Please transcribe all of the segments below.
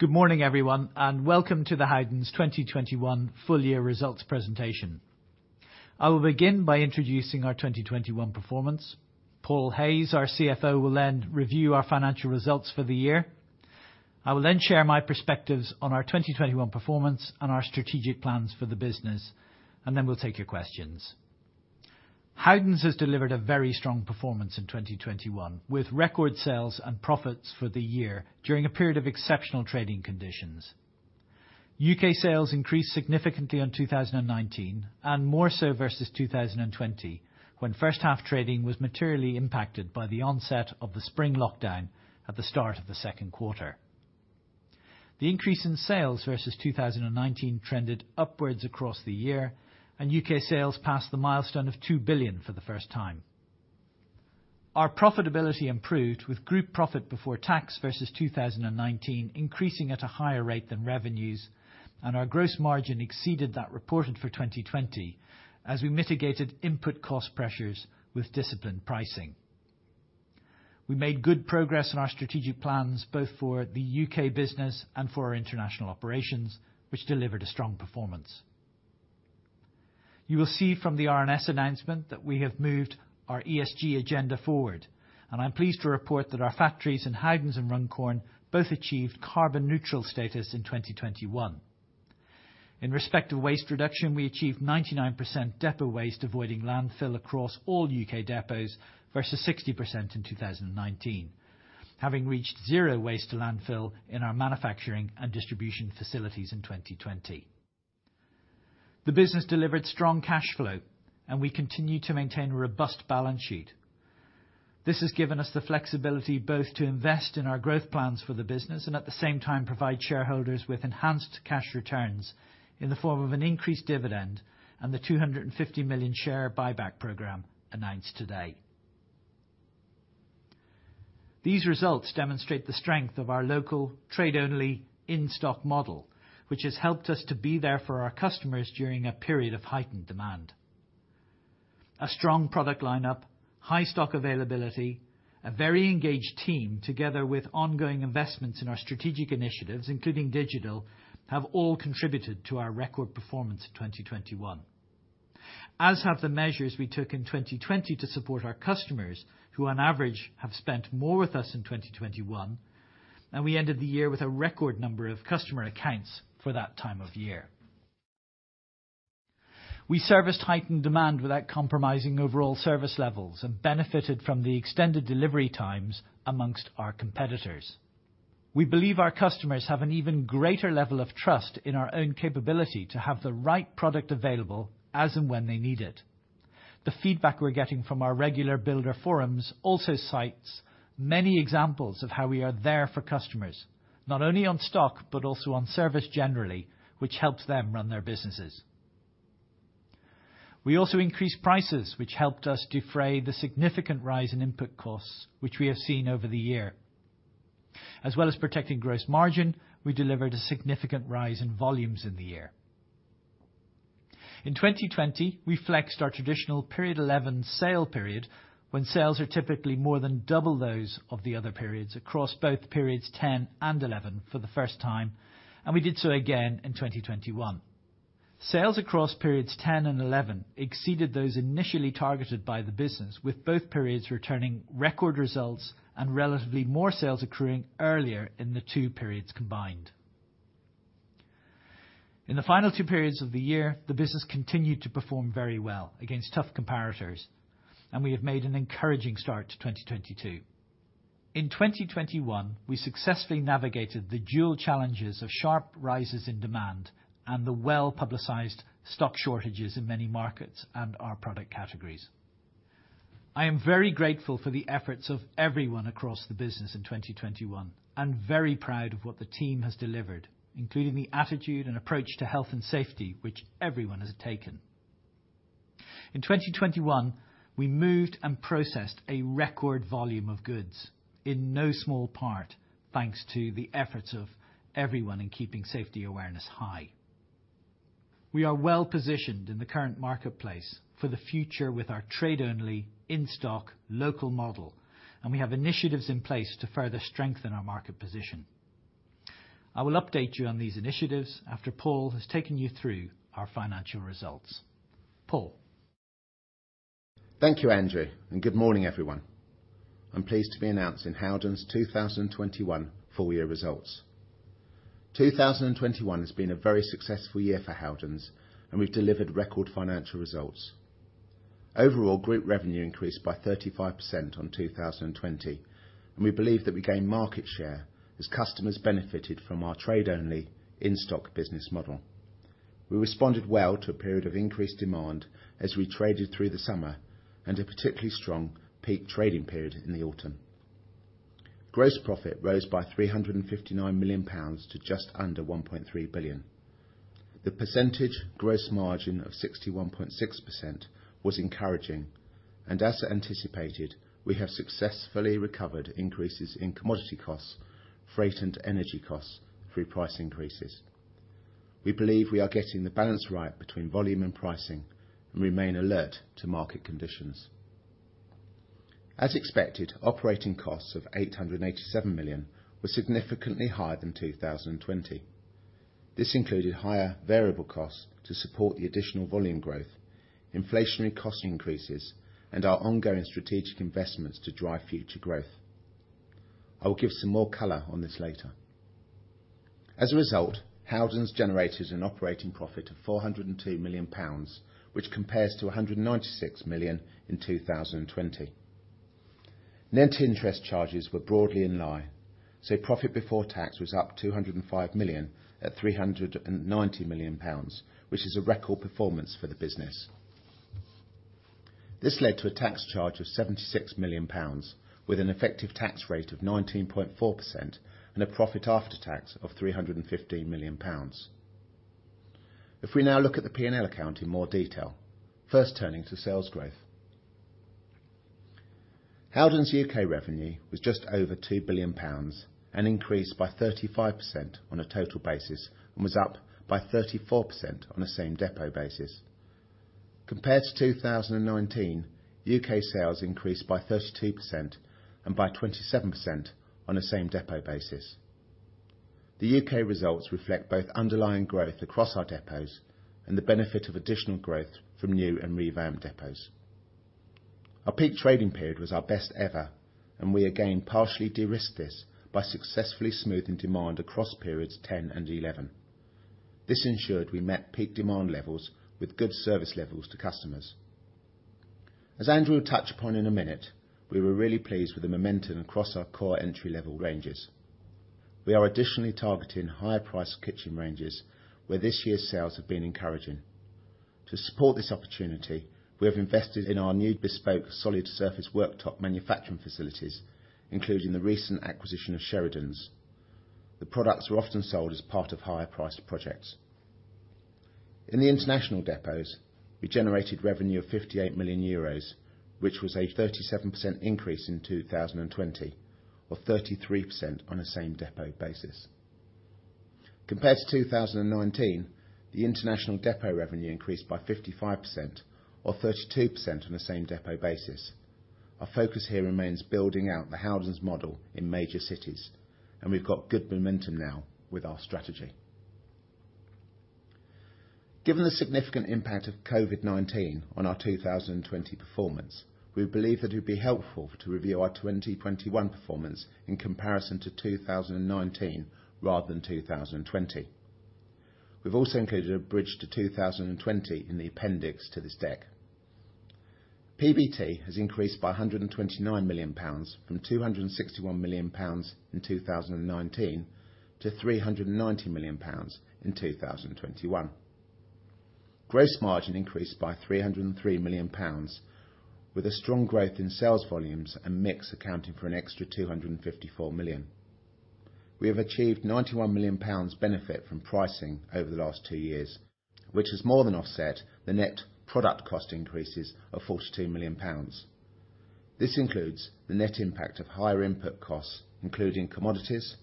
Good morning, everyone, and welcome to the Howdens 2021 full year results presentation. I will begin by introducing our 2021 performance. Paul Hayes, our CFO, will then review our financial results for the year. I will then share my perspectives on our 2021 performance and our strategic plans for the business, and then we'll take your questions. Howdens has delivered a very strong performance in 2021, with record sales and profits for the year during a period of exceptional trading conditions. U.K. sales increased significantly on 2019, and more so versus 2020 when first half trading was materially impacted by the onset of the spring lockdown at the start of the second quarter. The increase in sales versus 2019 trended upwards across the year, and U.K. sales passed the milestone of 2 billion for the first time. Our profitability improved with group profit before tax versus 2019, increasing at a higher rate than revenues, and our gross margin exceeded that reported for 2020 as we mitigated input cost pressures with disciplined pricing. We made good progress on our strategic plans, both for the U.K. business and for our international operations, which delivered a strong performance. You will see from the RNS announcement that we have moved our ESG agenda forward, and I'm pleased to report that our factories in Howdens and Runcorn both achieved carbon neutral status in 2021. In respect to waste reduction, we achieved 99% depot waste, avoiding landfill across all U.K. depots versus 60% in 2019. Having reached zero waste to landfill in our manufacturing and distribution facilities in 2020. The business delivered strong cash flow, and we continue to maintain a robust balance sheet. This has given us the flexibility both to invest in our growth plans for the business and at the same time, provide shareholders with enhanced cash returns in the form of an increased dividend and the 250 million share buyback program announced today. These results demonstrate the strength of our local trade-only in-stock model, which has helped us to be there for our customers during a period of heightened demand. A strong product line up, high stock availability, a very engaged team, together with ongoing investments in our strategic initiatives, including digital, have all contributed to our record performance in 2021. As have the measures we took in 2020 to support our customers who on average have spent more with us in 2021, and we ended the year with a record number of customer accounts for that time of year. We serviced heightened demand without compromising overall service levels and benefited from the extended delivery times among our competitors. We believe our customers have an even greater level of trust in our own capability to have the right product available as and when they need it. The feedback we're getting from our regular builder forums also cites many examples of how we are there for customers, not only on stock, but also on service generally, which helps them run their businesses. We also increased prices, which helped us defray the significant rise in input costs, which we have seen over the year. As well as protecting gross margin, we delivered a significant rise in volumes in the year. In 2020, we flexed our traditional period 11 sale period when sales are typically more than double those of the other periods across both periods 10 and 11 for the first time, and we did so again in 2021. Sales across periods 10 and 11 exceeded those initially targeted by the business, with both periods returning record results and relatively more sales accruing earlier in the two periods combined. In the final two periods of the year, the business continued to perform very well against tough comparators, and we have made an encouraging start to 2022. In 2021, we successfully navigated the dual challenges of sharp rises in demand and the well-publicized stock shortages in many markets and our product categories. I am very grateful for the efforts of everyone across the business in 2021 and very proud of what the team has delivered, including the attitude and approach to health and safety which everyone has taken. In 2021, we moved and processed a record volume of goods in no small part, thanks to the efforts of everyone in keeping safety awareness high. We are well positioned in the current marketplace for the future with our trade-only in-stock local model, and we have initiatives in place to further strengthen our market position. I will update you on these initiatives after Paul has taken you through our financial results. Paul. Thank you, Andrew, and good morning, everyone. I'm pleased to be announcing Howdens' 2021 full year results. 2021 has been a very successful year for Howdens, and we've delivered record financial results. Overall, group revenue increased by 35% on 2020, and we believe that we gain market share as customers benefited from our trade-only in-stock business model. We responded well to a period of increased demand as we traded through the summer and a particularly strong peak trading period in the autumn. Gross profit rose by 359 million pounds to just under 1.3 billion. The percentage gross margin of 61.6% was encouraging, and as anticipated, we have successfully recovered increases in commodity costs, freight, and energy costs through price increases. We believe we are getting the balance right between volume and pricing and remain alert to market conditions. As expected, operating costs of 887 million were significantly higher than 2020. This included higher variable costs to support the additional volume growth, inflationary cost increases, and our ongoing strategic investments to drive future growth. I will give some more color on this later. As a result, Howdens generated an operating profit of 402 million pounds, which compares to 196 million in 2020. Net interest charges were broadly in line, so profit before tax was up 205 million at 390 million pounds, which is a record performance for the business. This led to a tax charge of 76 million pounds with an effective tax rate of 19.4% and a profit after tax of 315 million pounds. If we now look at the P&L account in more detail, first turning to sales growth. Howdens UK revenue was just over 2 billion pounds and increased by 35% on a total basis and was up by 34% on a same depot basis. Compared to 2019, UK sales increased by 32% and by 27% on a same depot basis. The UK results reflect both underlying growth across our depots and the benefit of additional growth from new and revamped depots. Our peak trading period was our best ever, and we again partially de-risked this by successfully smoothing demand across periods 10 and 11. This ensured we met peak demand levels with good service levels to customers. As Andrew will touch upon in a minute, we were really pleased with the momentum across our core entry-level ranges. We are additionally targeting higher price kitchen ranges where this year's sales have been encouraging. To support this opportunity, we have invested in our new bespoke solid surface worktop manufacturing facilities, including the recent acquisition of Sheridan Fabrications. The products are often sold as part of higher priced projects. In the international depots, we generated revenue of 58 million euros, which was a 37% increase in 2020 or 33% on a same depot basis. Compared to 2019, the international depot revenue increased by 55% or 32% on a same depot basis. Our focus here remains building out the Howdens model in major cities, and we've got good momentum now with our strategy. Given the significant impact of COVID-19 on our 2020 performance, we believe that it would be helpful to review our 2021 performance in comparison to 2019 rather than 2020. We've also included a bridge to 2020 in the appendix to this deck. PBT has increased by 129 million pounds from 261 million pounds in 2019 to 390 million pounds in 2021. Gross margin increased by 303 million pounds with a strong growth in sales volumes and mix accounting for an extra 254 million. We have achieved 91 million pounds benefit from pricing over the last two years, which has more than offset the net product cost increases of 42 million pounds. This includes the net impact of higher input costs, including commodities,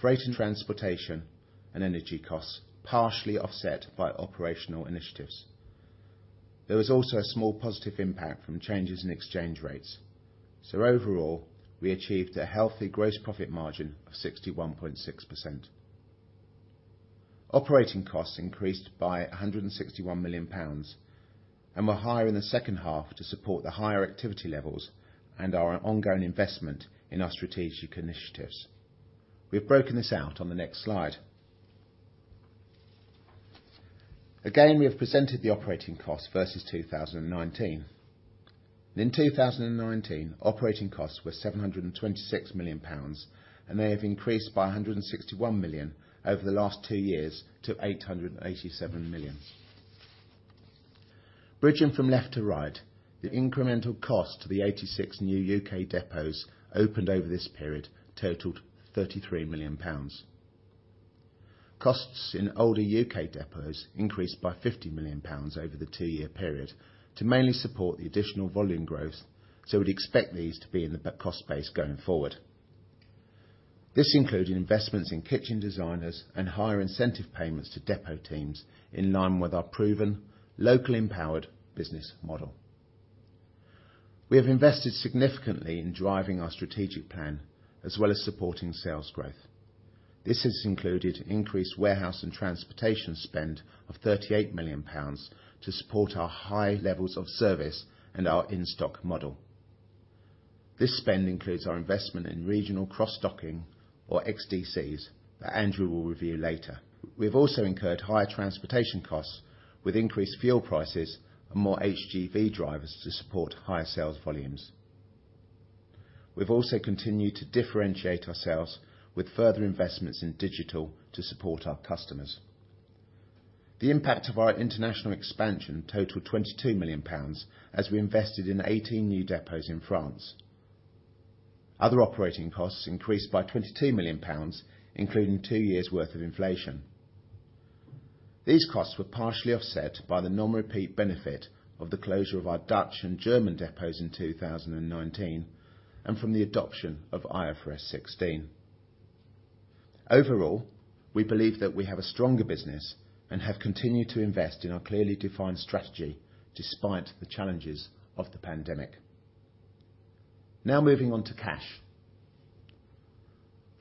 freight and transportation, and energy costs, partially offset by operational initiatives. There was also a small positive impact from changes in exchange rates. Overall, we achieved a healthy gross profit margin of 61.6%. Operating costs increased by 161 million pounds and were higher in the second half to support the higher activity levels and our ongoing investment in our strategic initiatives. We have broken this out on the next slide. Again, we have presented the operating cost versus 2019. In 2019, operating costs were 726 million pounds, and they have increased by 161 million over the last two years to 887 million. Bridging from left to right, the incremental cost to the 86 new U.K. depots opened over this period totaled 33 million pounds. Costs in older U.K. depots increased by 50 million pounds over the two-year period to mainly support the additional volume growth, so we'd expect these to be in the base cost base going forward. This included investments in kitchen designers and higher incentive payments to depot teams in line with our proven locally empowered business model. We have invested significantly in driving our strategic plan as well as supporting sales growth. This has included increased warehouse and transportation spend of 38 million pounds to support our high levels of service and our in-stock model. This spend includes our investment in regional cross-docking or XDCs that Andrew will review later. We have also incurred higher transportation costs with increased fuel prices and more HGV drivers to support higher sales volumes. We've also continued to differentiate ourselves with further investments in digital to support our customers. The impact of our international expansion totaled 22 million pounds as we invested in 18 new depots in France. Other operating costs increased by 22 million pounds, including two years' worth of inflation. These costs were partially offset by the non-repeat benefit of the closure of our Dutch and German depots in 2019 and from the adoption of IFRS 16. Overall, we believe that we have a stronger business and have continued to invest in our clearly defined strategy despite the challenges of the pandemic. Now moving on to cash.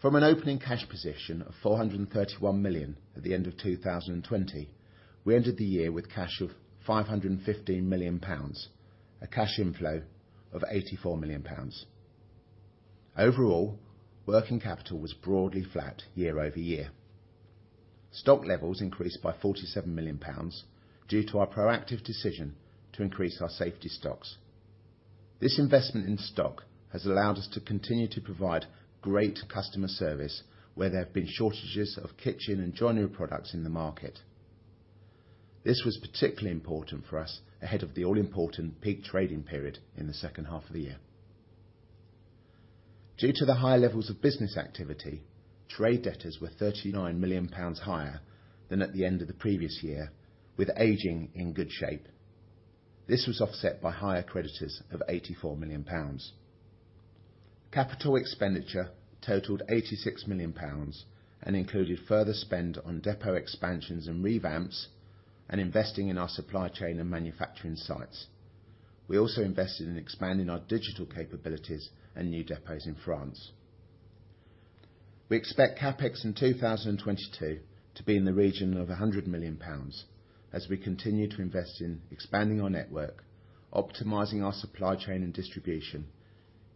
From an opening cash position of 431 million at the end of 2020, we ended the year with cash of 515 million pounds, a cash inflow of 84 million pounds. Overall, working capital was broadly flat year-over-year. Stock levels increased by 47 million pounds due to our proactive decision to increase our safety stocks. This investment in stock has allowed us to continue to provide great customer service where there have been shortages of kitchen and joinery products in the market. This was particularly important for us ahead of the all-important peak trading period in the second half of the year. Due to the high levels of business activity, trade debtors were 39 million pounds higher than at the end of the previous year, with aging in good shape. This was offset by higher creditors of 84 million pounds. CapEx totaled 86 million pounds and included further spend on depot expansions and revamps and investing in our supply chain and manufacturing sites. We also invested in expanding our digital capabilities and new depots in France. We expect CapEx in 2022 to be in the region of 100 million pounds as we continue to invest in expanding our network, optimizing our supply chain and distribution,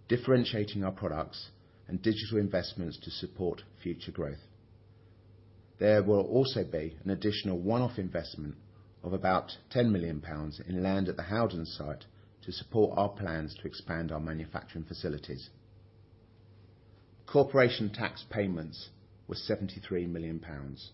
differentiating our products and digital investments to support future growth. There will also be an additional one-off investment of about 10 million pounds in land at the Howden site to support our plans to expand our manufacturing facilities. Corporation tax payments were 73 million pounds.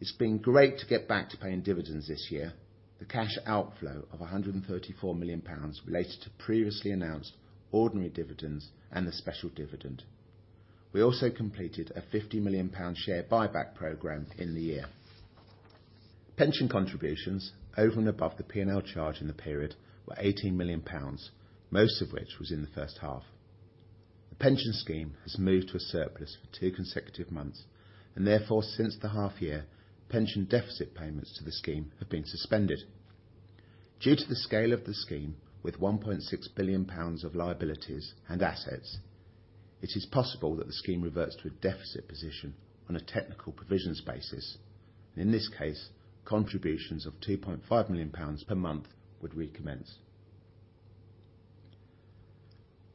It's been great to get back to paying dividends this year. The cash outflow of 134 million pounds related to previously announced ordinary dividends and the special dividend. We also completed a 50 million pound share buyback program in the year. Pension contributions over and above the P&L charge in the period were 18 million pounds, most of which was in the first half. The pension scheme has moved to a surplus for two consecutive months, and therefore since the half year, pension deficit payments to the scheme have been suspended. Due to the scale of the scheme with 1.6 billion pounds of liabilities and assets, it is possible that the scheme reverts to a deficit position on a technical provisions basis. In this case, contributions of 2.5 million pounds per month would recommence.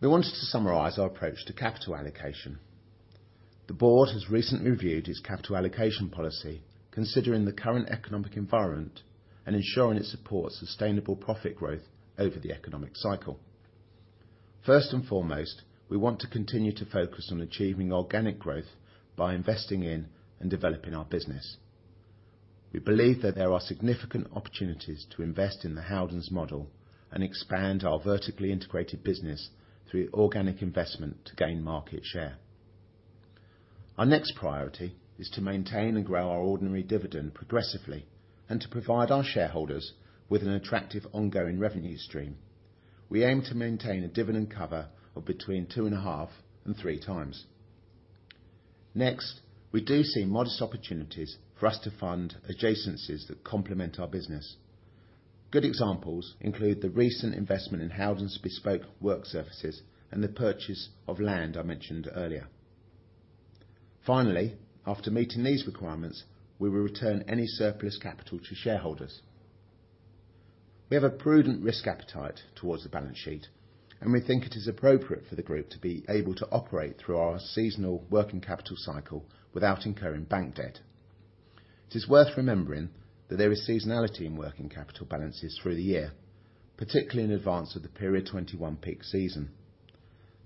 We wanted to summarize our approach to capital allocation. The board has recently reviewed its capital allocation policy, considering the current economic environment and ensuring it supports sustainable profit growth over the economic cycle. First and foremost, we want to continue to focus on achieving organic growth by investing in and developing our business. We believe that there are significant opportunities to invest in the Howdens model and expand our vertically integrated business through organic investment to gain market share. Our next priority is to maintain and grow our ordinary dividend progressively and to provide our shareholders with an attractive ongoing revenue stream. We aim to maintain a dividend cover of between 2.5 and 3 times. Next, we do see modest opportunities for us to fund adjacencies that complement our business. Good examples include the recent investment in Howdens bespoke work surfaces and the purchase of land I mentioned earlier. Finally, after meeting these requirements, we will return any surplus capital to shareholders. We have a prudent risk appetite towards the balance sheet, and we think it is appropriate for the group to be able to operate through our seasonal working capital cycle without incurring bank debt. It is worth remembering that there is seasonality in working capital balances through the year, particularly in advance of the 2021 peak season.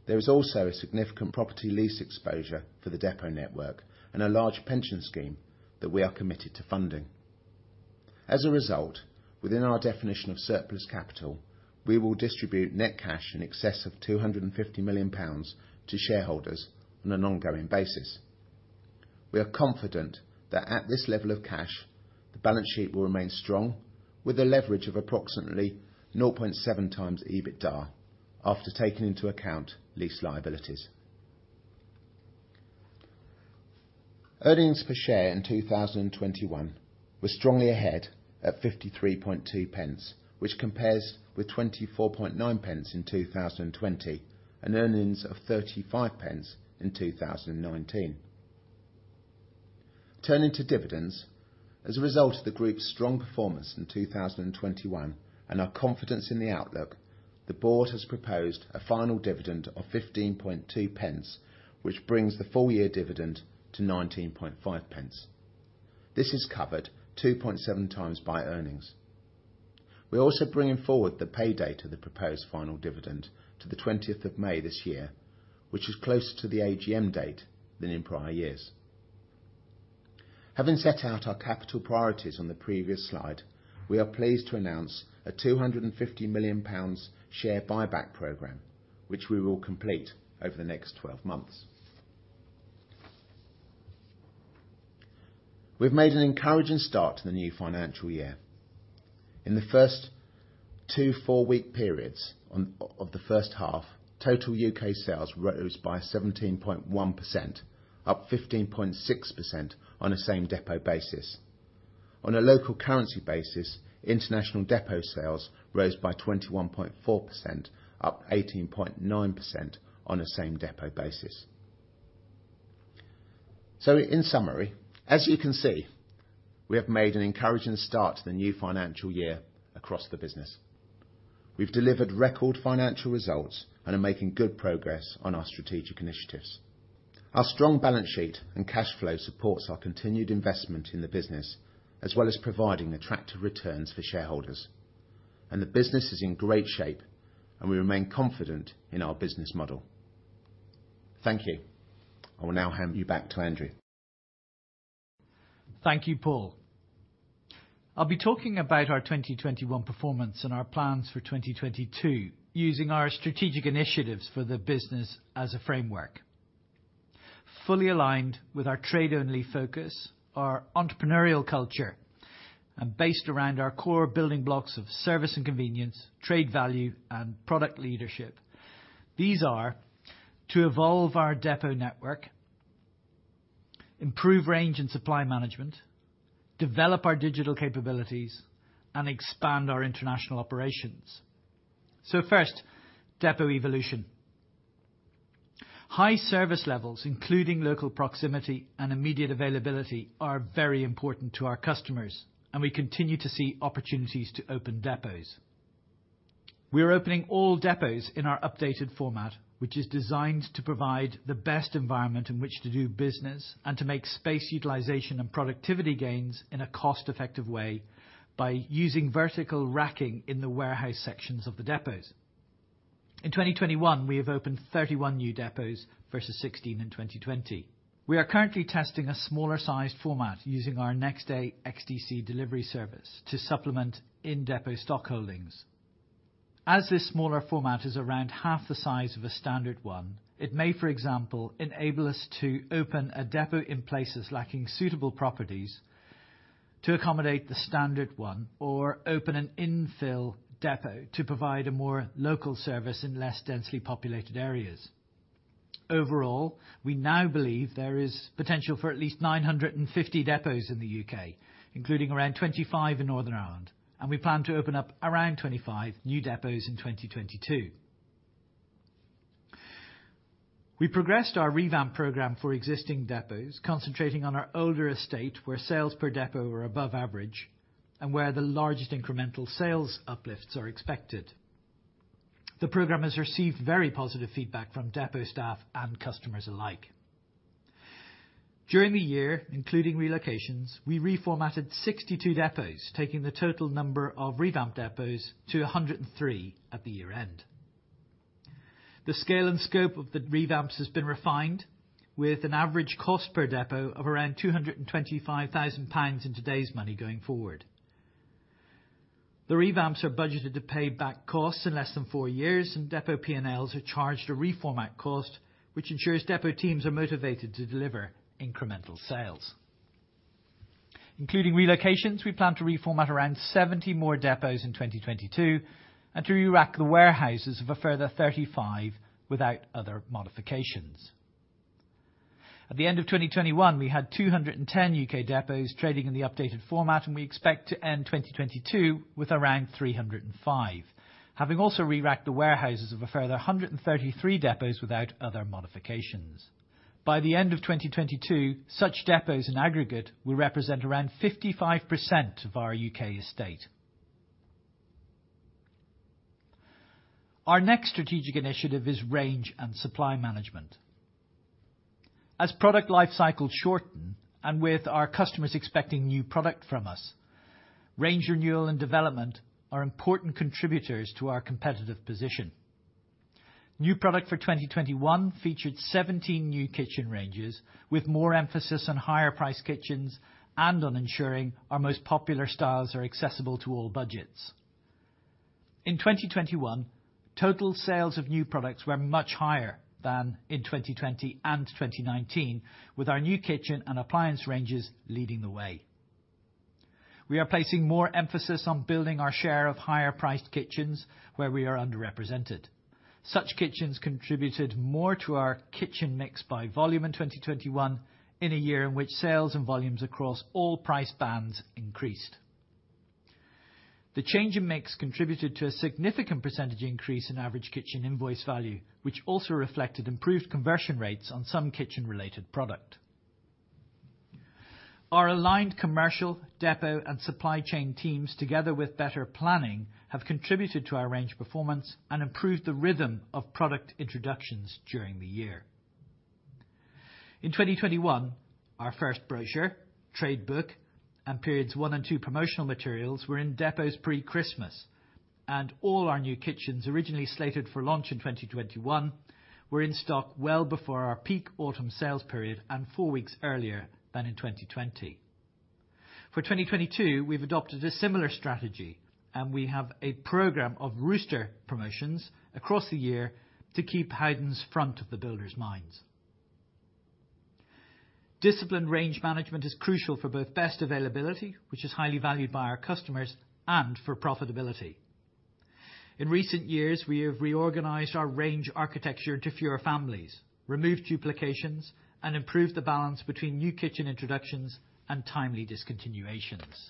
There is also a significant property lease exposure for the depot network and a large pension scheme that we are committed to funding. As a result, within our definition of surplus capital, we will distribute net cash in excess of 250 million pounds to shareholders on an ongoing basis. We are confident that at this level of cash, the balance sheet will remain strong with a leverage of approximately 0.7x EBITDA after taking into account lease liabilities. Earnings per share in 2021 were strongly ahead at 0.532, which compares with 0.249 in 2020 and earnings of 0.35 in 2019. Turning to dividends, as a result of the group's strong performance in 2021 and our confidence in the outlook, the board has proposed a final dividend of 15.2 pence, which brings the full year dividend to 19.5 pence. This is covered 2.7 times by earnings. We're also bringing forward the pay date of the proposed final dividend to the 20th of May this year, which is closer to the AGM date than in prior years. Having set out our capital priorities on the previous slide, we are pleased to announce a 250 million pounds share buyback program, which we will complete over the next 12 months. We've made an encouraging start to the new financial year. In the first two four-week periods of the first half, total UK sales rose by 17.1%, up 15.6% on a same depot basis. On a local currency basis, international depot sales rose by 21.4%, up 18.9% on a same depot basis. In summary, as you can see, we have made an encouraging start to the new financial year across the business. We've delivered record financial results and are making good progress on our strategic initiatives. Our strong balance sheet and cash flow supports our continued investment in the business, as well as providing attractive returns for shareholders. The business is in great shape, and we remain confident in our business model. Thank you. I will now hand you back to Andrew. Thank you, Paul. I'll be talking about our 2021 performance and our plans for 2022 using our strategic initiatives for the business as a framework. Fully aligned with our trade-only focus, our entrepreneurial culture, and based around our core building blocks of service and convenience, trade value, and product leadership. These are to evolve our depot network, improve range and supply management, develop our digital capabilities, and expand our international operations. First, depot evolution. High service levels, including local proximity and immediate availability, are very important to our customers, and we continue to see opportunities to open depots. We are opening all depots in our updated format, which is designed to provide the best environment in which to do business and to make space utilization and productivity gains in a cost-effective way by using vertical racking in the warehouse sections of the depots. In 2021, we have opened 31 new depots versus 16 in 2020. We are currently testing a smaller sized format using our next day XDC delivery service to supplement in depot stock holdings. As this smaller format is around half the size of a standard one, it may, for example, enable us to open a depot in places lacking suitable properties to accommodate the standard one or open an infill depot to provide a more local service in less densely populated areas. Overall, we now believe there is potential for at least 950 depots in the U.K., including around 25 in Northern Ireland, and we plan to open up around 25 new depots in 2022. We progressed our revamp program for existing depots, concentrating on our older estate where sales per depot were above average and where the largest incremental sales uplifts are expected. The program has received very positive feedback from depot staff and customers alike. During the year, including relocations, we reformatted 62 depots, taking the total number of revamp depots to 103 at the year-end. The scale and scope of the revamps has been refined with an average cost per depot of around 225,000 pounds in today's money going forward. The revamps are budgeted to pay back costs in less than four years, and depot PNLs are charged a reformat cost, which ensures depot teams are motivated to deliver incremental sales. Including relocations, we plan to reformat around 70 more depots in 2022 and to re-rack the warehouses of a further 35 without other modifications. At the end of 2021, we had 210 U.K. depots trading in the updated format, and we expect to end 2022 with around 305, having also re-racked the warehouses of a further 133 depots without other modifications. By the end of 2022, such depots in aggregate will represent around 55% of our U.K. estate. Our next strategic initiative is range and supply management. As product life cycles shorten and with our customers expecting new product from us, range renewal and development are important contributors to our competitive position. New product for 2021 featured 17 new kitchen ranges with more emphasis on higher priced kitchens and on ensuring our most popular styles are accessible to all budgets. In 2021, total sales of new products were much higher than in 2020 and 2019, with our new kitchen and appliance ranges leading the way. We are placing more emphasis on building our share of higher priced kitchens where we are underrepresented. Such kitchens contributed more to our kitchen mix by volume in 2021 in a year in which sales and volumes across all price bands increased. The change in mix contributed to a significant percentage increase in average kitchen invoice value, which also reflected improved conversion rates on some kitchen related product. Our aligned commercial depot and supply chain teams, together with better planning, have contributed to our range performance and improved the rhythm of product introductions during the year. In 2021, our first brochure, trade book, and periods 1 and 2 promotional materials were in depots pre-Christmas, and all our new kitchens originally slated for launch in 2021 were in stock well before our peak autumn sales period and four weeks earlier than in 2020. For 2022, we've adopted a similar strategy, and we have a program of roster promotions across the year to keep Howdens front of mind for the builders. Disciplined range management is crucial for both best availability, which is highly valued by our customers, and for profitability. In recent years, we have reorganized our range architecture to fewer families, removed duplications, and improved the balance between new kitchen introductions and timely discontinuations.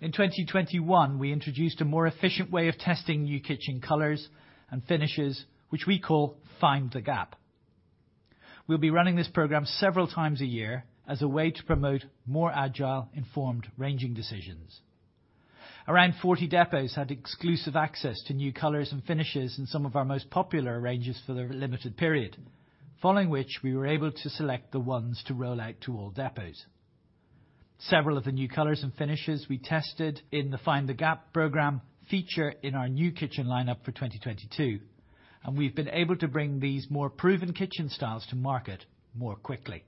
In 2021, we introduced a more efficient way of testing new kitchen colors and finishes, which we call Find the Gap. We'll be running this program several times a year as a way to promote more agile, informed ranging decisions. Around 40 depots had exclusive access to new colors and finishes in some of our most popular ranges for a limited period, following which we were able to select the ones to roll out to all depots. Several of the new colors and finishes we tested in the Find the Gap program feature in our new kitchen lineup for 2022, and we've been able to bring these more proven kitchen styles to market more quickly.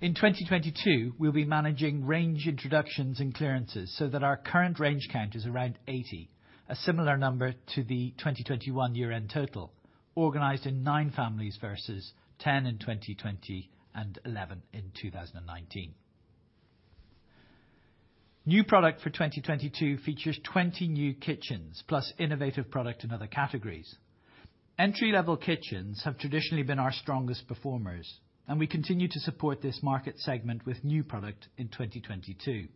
In 2022, we'll be managing range introductions and clearances so that our current range count is around 80, a similar number to the 2021 year-end total, organized in nine families versus 10 in 2020 and 11 in 2019. New product for 2022 features 20 new kitchens plus innovative product in other categories. Entry-level kitchens have traditionally been our strongest performers, and we continue to support this market segment with new product in 2022.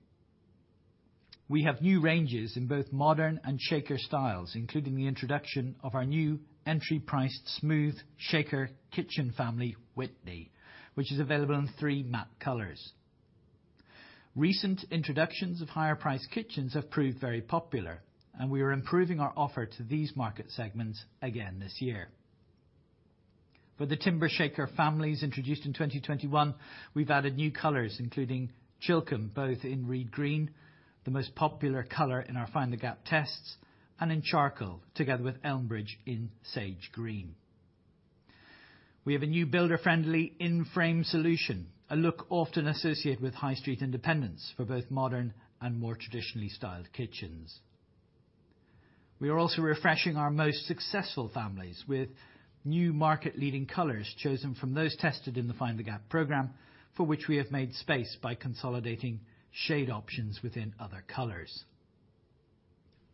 We have new ranges in both modern and Shaker styles, including the introduction of our new entry-priced Smooth Shaker kitchen family, Witney, which is available in three matte colors. Recent introductions of higher-priced kitchens have proved very popular, and we are improving our offer to these market segments again this year. For the Timber Shaker families introduced in 2021, we've added new colors, including Chilcomb, both in Reed Green, the most popular color in our Find the Gap tests, and in charcoal, together with Elmbridge in sage green. We have a new builder-friendly in-frame solution, a look often associated with High Street Independents for both modern and more traditionally styled kitchens. We are also refreshing our most successful families with new market-leading colors chosen from those tested in the Find the Gap program, for which we have made space by consolidating shade options within other colors.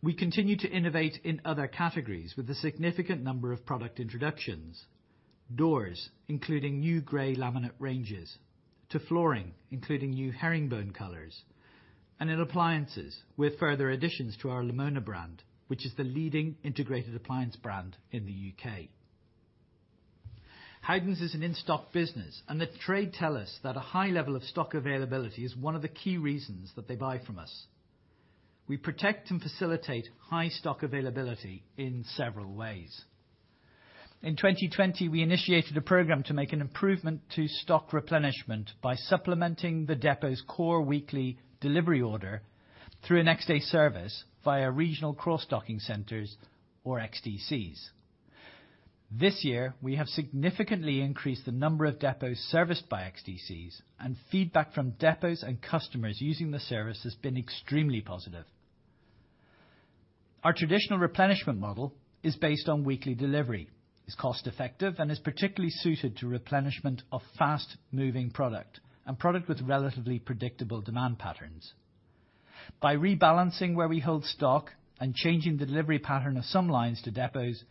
We continue to innovate in other categories with a significant number of product introductions, doors, including new gray laminate ranges, to flooring, including new herringbone colors, and in appliances, with further additions to our Lamona brand, which is the leading integrated appliance brand in the U.K. Howdens is an in-stock business, and the trade tell us that a high level of stock availability is one of the key reasons that they buy from us. We protect and facilitate high stock availability in several ways. In 2020, we initiated a program to make an improvement to stock replenishment by supplementing the depot's core weekly delivery order through a next-day service via regional cross-docking centers or XDCs. This year, we have significantly increased the number of depots serviced by XDCs, and feedback from depots and customers using the service has been extremely positive. Our traditional replenishment model is based on weekly delivery, is cost-effective, and is particularly suited to replenishment of fast-moving product and product with relatively predictable demand patterns. By rebalancing where we hold stock and changing the delivery pattern of some lines to depots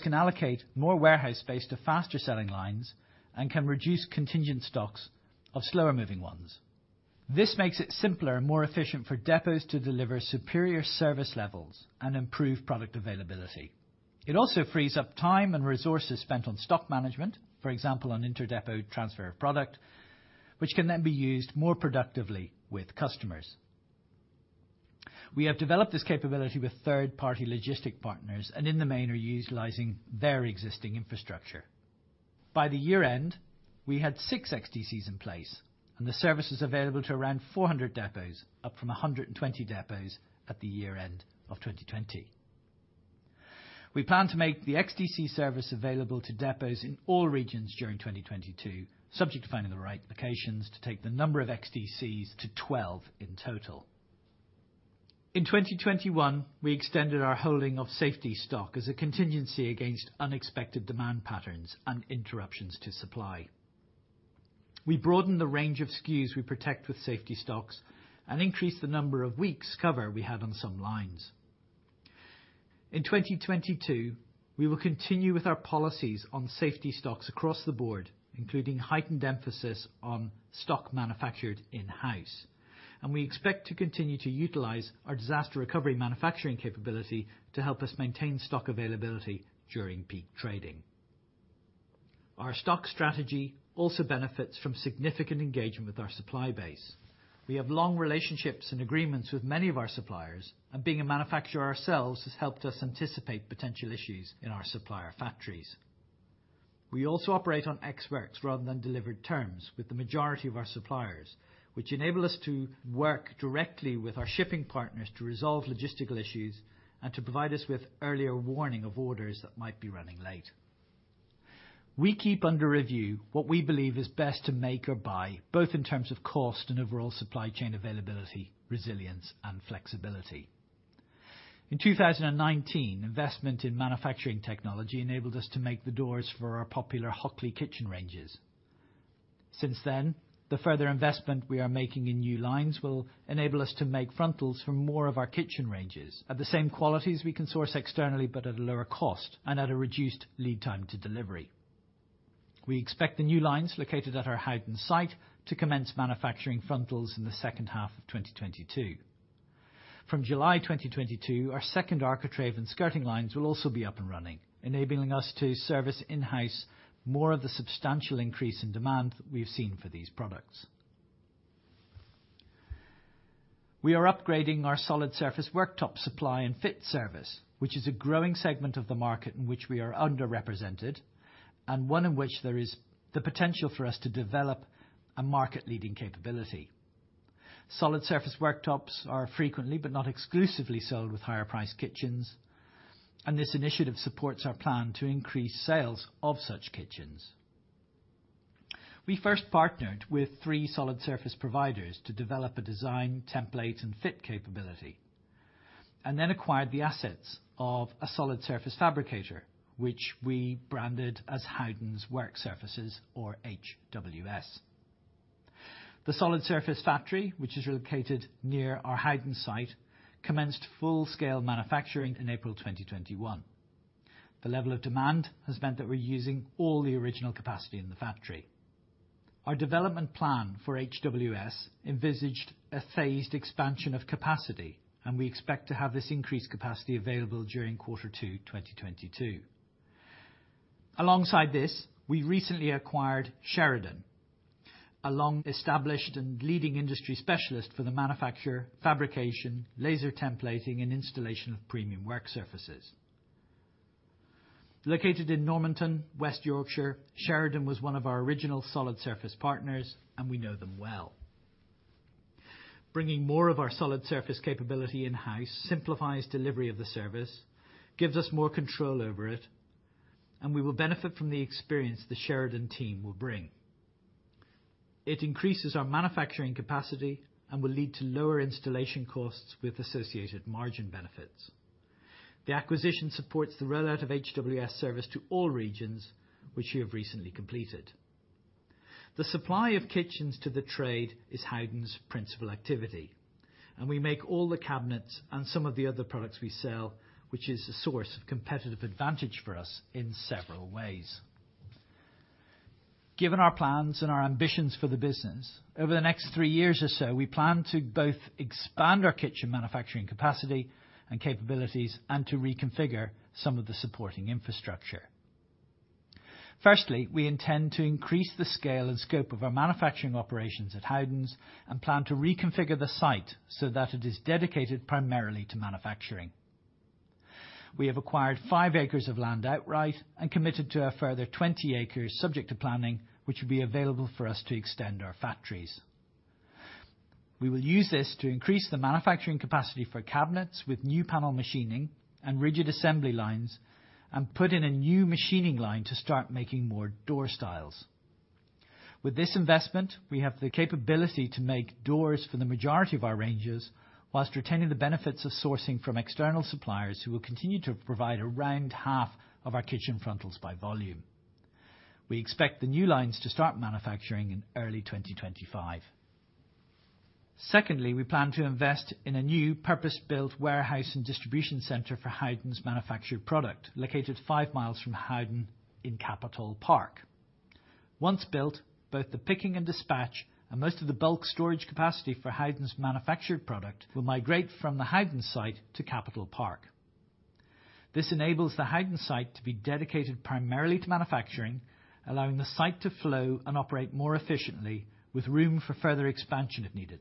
can allocate more warehouse space to faster-selling lines and can reduce contingent stocks of slower-moving ones. This makes it simpler and more efficient for depots to deliver superior service levels and improve product availability. It also frees up time and resources spent on stock management, for example, on inter-depot transfer of product, which can then be used more productively with customers. We have developed this capability with third-party logistics partners, and in the main are utilizing their existing infrastructure. By the year-end, we had 6 XDCs in place, and the service is available to around 400 depots, up from 120 depots at the year-end of 2020. We plan to make the XDC service available to depots in all regions during 2022, subject to finding the right locations to take the number of XDCs to 12 in total. In 2021, we extended our holding of safety stock as a contingency against unexpected demand patterns and interruptions to supply. We broadened the range of SKUs we protect with safety stocks and increased the number of weeks cover we had on some lines. In 2022, we will continue with our policies on safety stocks across the board, including heightened emphasis on stock manufactured in-house. We expect to continue to utilize our disaster recovery manufacturing capability to help us maintain stock availability during peak trading. Our stock strategy also benefits from significant engagement with our supply base. We have long relationships and agreements with many of our suppliers, and being a manufacturer ourselves has helped us anticipate potential issues in our supplier factories. We also operate on ex-works rather than delivered terms with the majority of our suppliers, which enable us to work directly with our shipping partners to resolve logistical issues and to provide us with earlier warning of orders that might be running late. We keep under review what we believe is best to make or buy, both in terms of cost and overall supply chain availability, resilience, and flexibility. In 2019, investment in manufacturing technology enabled us to make the doors for our popular Hockley kitchen ranges. Since then, the further investment we are making in new lines will enable us to make frontals for more of our kitchen ranges at the same quality as we can source externally, but at a lower cost and at a reduced lead time to delivery. We expect the new lines located at our Howden site to commence manufacturing frontals in the second half of 2022. From July 2022, our second architrave and skirting lines will also be up and running, enabling us to service in-house more of the substantial increase in demand we have seen for these products. We are upgrading our solid surface worktop supply and fit service, which is a growing segment of the market in which we are underrepresented, and one in which there is the potential for us to develop a market-leading capability. Solid surface worktops are frequently, but not exclusively, sold with higher priced kitchens, and this initiative supports our plan to increase sales of such kitchens. We first partnered with three solid surface providers to develop a design, template, and fit capability, and then acquired the assets of a solid surface fabricator, which we branded as Howdens Work Surfaces or HWS. The solid surface factory, which is located near our Howdens site, commenced full-scale manufacturing in April 2021. The level of demand has meant that we're using all the original capacity in the factory. Our development plan for HWS envisaged a phased expansion of capacity, and we expect to have this increased capacity available during quarter two, 2022. Alongside this, we recently acquired Sheridan, a long-established and leading industry specialist for the manufacture, fabrication, laser templating, and installation of premium work surfaces. Located in Normanton, West Yorkshire, Sheridan was one of our original solid surface partners, and we know them well. Bringing more of our solid surface capability in-house simplifies delivery of the service, gives us more control over it, and we will benefit from the experience the Sheridan team will bring. It increases our manufacturing capacity and will lead to lower installation costs with associated margin benefits. The acquisition supports the rollout of HWS service to all regions which we have recently completed. The supply of kitchens to the trade is Howdens' principal activity, and we make all the cabinets and some of the other products we sell, which is a source of competitive advantage for us in several ways. Given our plans and our ambitions for the business, over the next three years or so, we plan to both expand our kitchen manufacturing capacity and capabilities and to reconfigure some of the supporting infrastructure. Firstly, we intend to increase the scale and scope of our manufacturing operations at Howdens and plan to reconfigure the site so that it is dedicated primarily to manufacturing. We have acquired 5 acres of land outright and committed to a further 20 acres subject to planning, which will be available for us to extend our factories. We will use this to increase the manufacturing capacity for cabinets with new panel machining and rigid assembly lines, and put in a new machining line to start making more door styles. With this investment, we have the capability to make doors for the majority of our ranges while retaining the benefits of sourcing from external suppliers who will continue to provide around half of our kitchen frontals by volume. We expect the new lines to start manufacturing in early 2025. Secondly, we plan to invest in a new purpose-built warehouse and distribution center for Howdens' manufactured product, located five miles from Howden in Capital Park. Once built, both the picking and dispatch and most of the bulk storage capacity for Howdens' manufactured product will migrate from the Howden site to Capital Park. This enables the Howden site to be dedicated primarily to manufacturing, allowing the site to flow and operate more efficiently with room for further expansion if needed.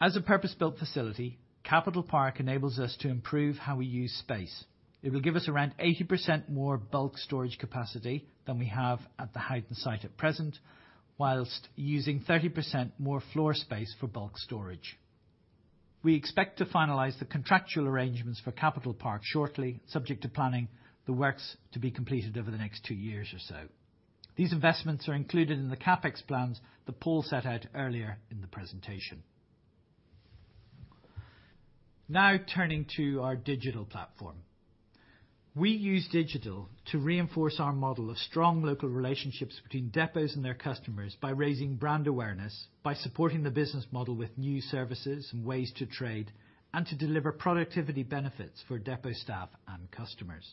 As a purpose-built facility, Capital Park enables us to improve how we use space. It will give us around 80% more bulk storage capacity than we have at the Howden site at present, while using 30% more floor space for bulk storage. We expect to finalize the contractual arrangements for Capital Park shortly, subject to planning the works to be completed over the next two years or so. These investments are included in the CapEx plans that Paul set out earlier in the presentation. Now turning to our digital platform. We use digital to reinforce our model of strong local relationships between depots and their customers by raising brand awareness, by supporting the business model with new services and ways to trade, and to deliver productivity benefits for depot staff and customers.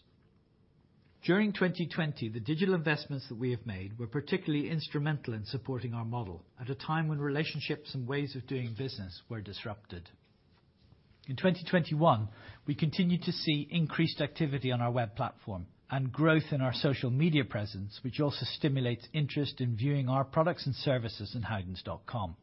During 2020, the digital investments that we have made were particularly instrumental in supporting our model at a time when relationships and ways of doing business were disrupted. In 2021, we continued to see increased activity on our web platform and growth in our social media presence, which also stimulates interest in viewing our products and services in howdens.com.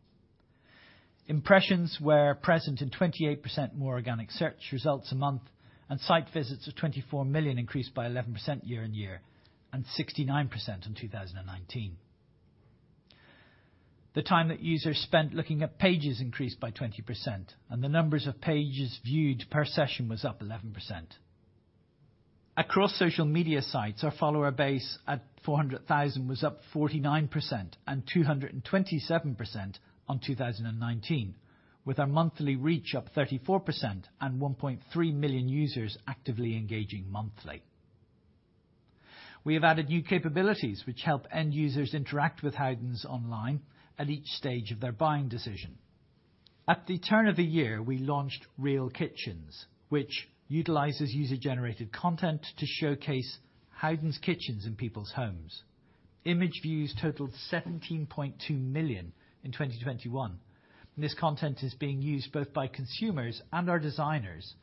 Impressions were present in 28% more organic search results a month, and site visits of 24 million increased by 11% year on year and 69% in 2019. The time that users spent looking at pages increased by 20%, and the numbers of pages viewed per session was up 11%. Across social media sites, our follower base at 400,000 was up 49% and 227% on 2019, with our monthly reach up 34% and 1.3 million users actively engaging monthly. We have added new capabilities which help end users interact with Howdens online at each stage of their buying decision. At the turn of the year, we launched Real Kitchens, which utilizes user-generated content to showcase Howdens kitchens in people's homes. Image views totaled 17.2 million in 2021, and this content is being used both by consumers and our designers.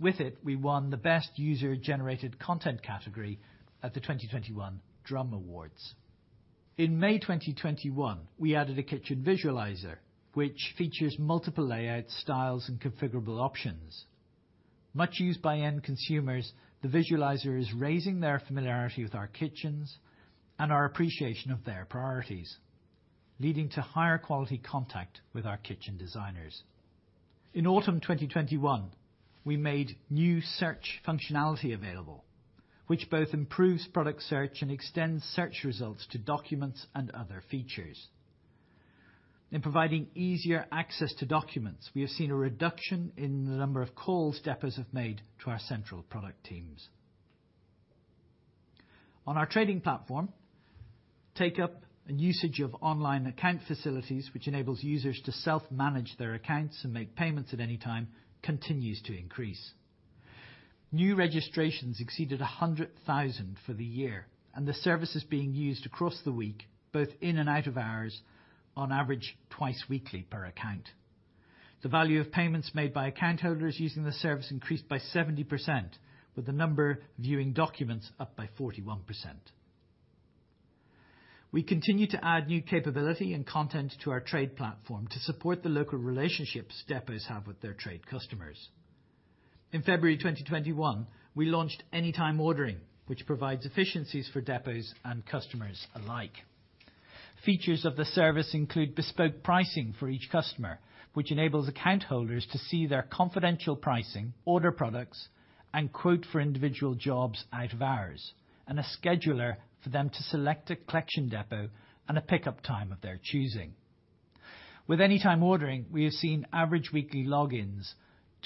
With it, we won the best user-generated content category at the 2021 Drum Awards. In May 2021, we added a kitchen visualizer, which features multiple layouts, styles, and configurable options. Much used by end consumers, the visualizer is raising their familiarity with our kitchens and our appreciation of their priorities, leading to higher quality contact with our kitchen designers. In autumn 2021, we made new search functionality available, which both improves product search and extends search results to documents and other features. In providing easier access to documents, we have seen a reduction in the number of calls depots have made to our central product teams. On our trading platform, take-up and usage of online account facilities, which enables users to self-manage their accounts and make payments at any time, continues to increase. New registrations exceeded 100,000 for the year, and the service is being used across the week, both in and out of hours on average twice weekly per account. The value of payments made by account holders using the service increased by 70%, with the number viewing documents up by 41%. We continue to add new capability and content to our trade platform to support the local relationships depots have with their trade customers. In February 2021, we launched Anytime Ordering, which provides efficiencies for depots and customers alike. Features of the service include bespoke pricing for each customer, which enables account holders to see their confidential pricing, order products, and quote for individual jobs out of hours, and a scheduler for them to select a collection depot and a pickup time of their choosing. With Anytime Ordering, we have seen average weekly logins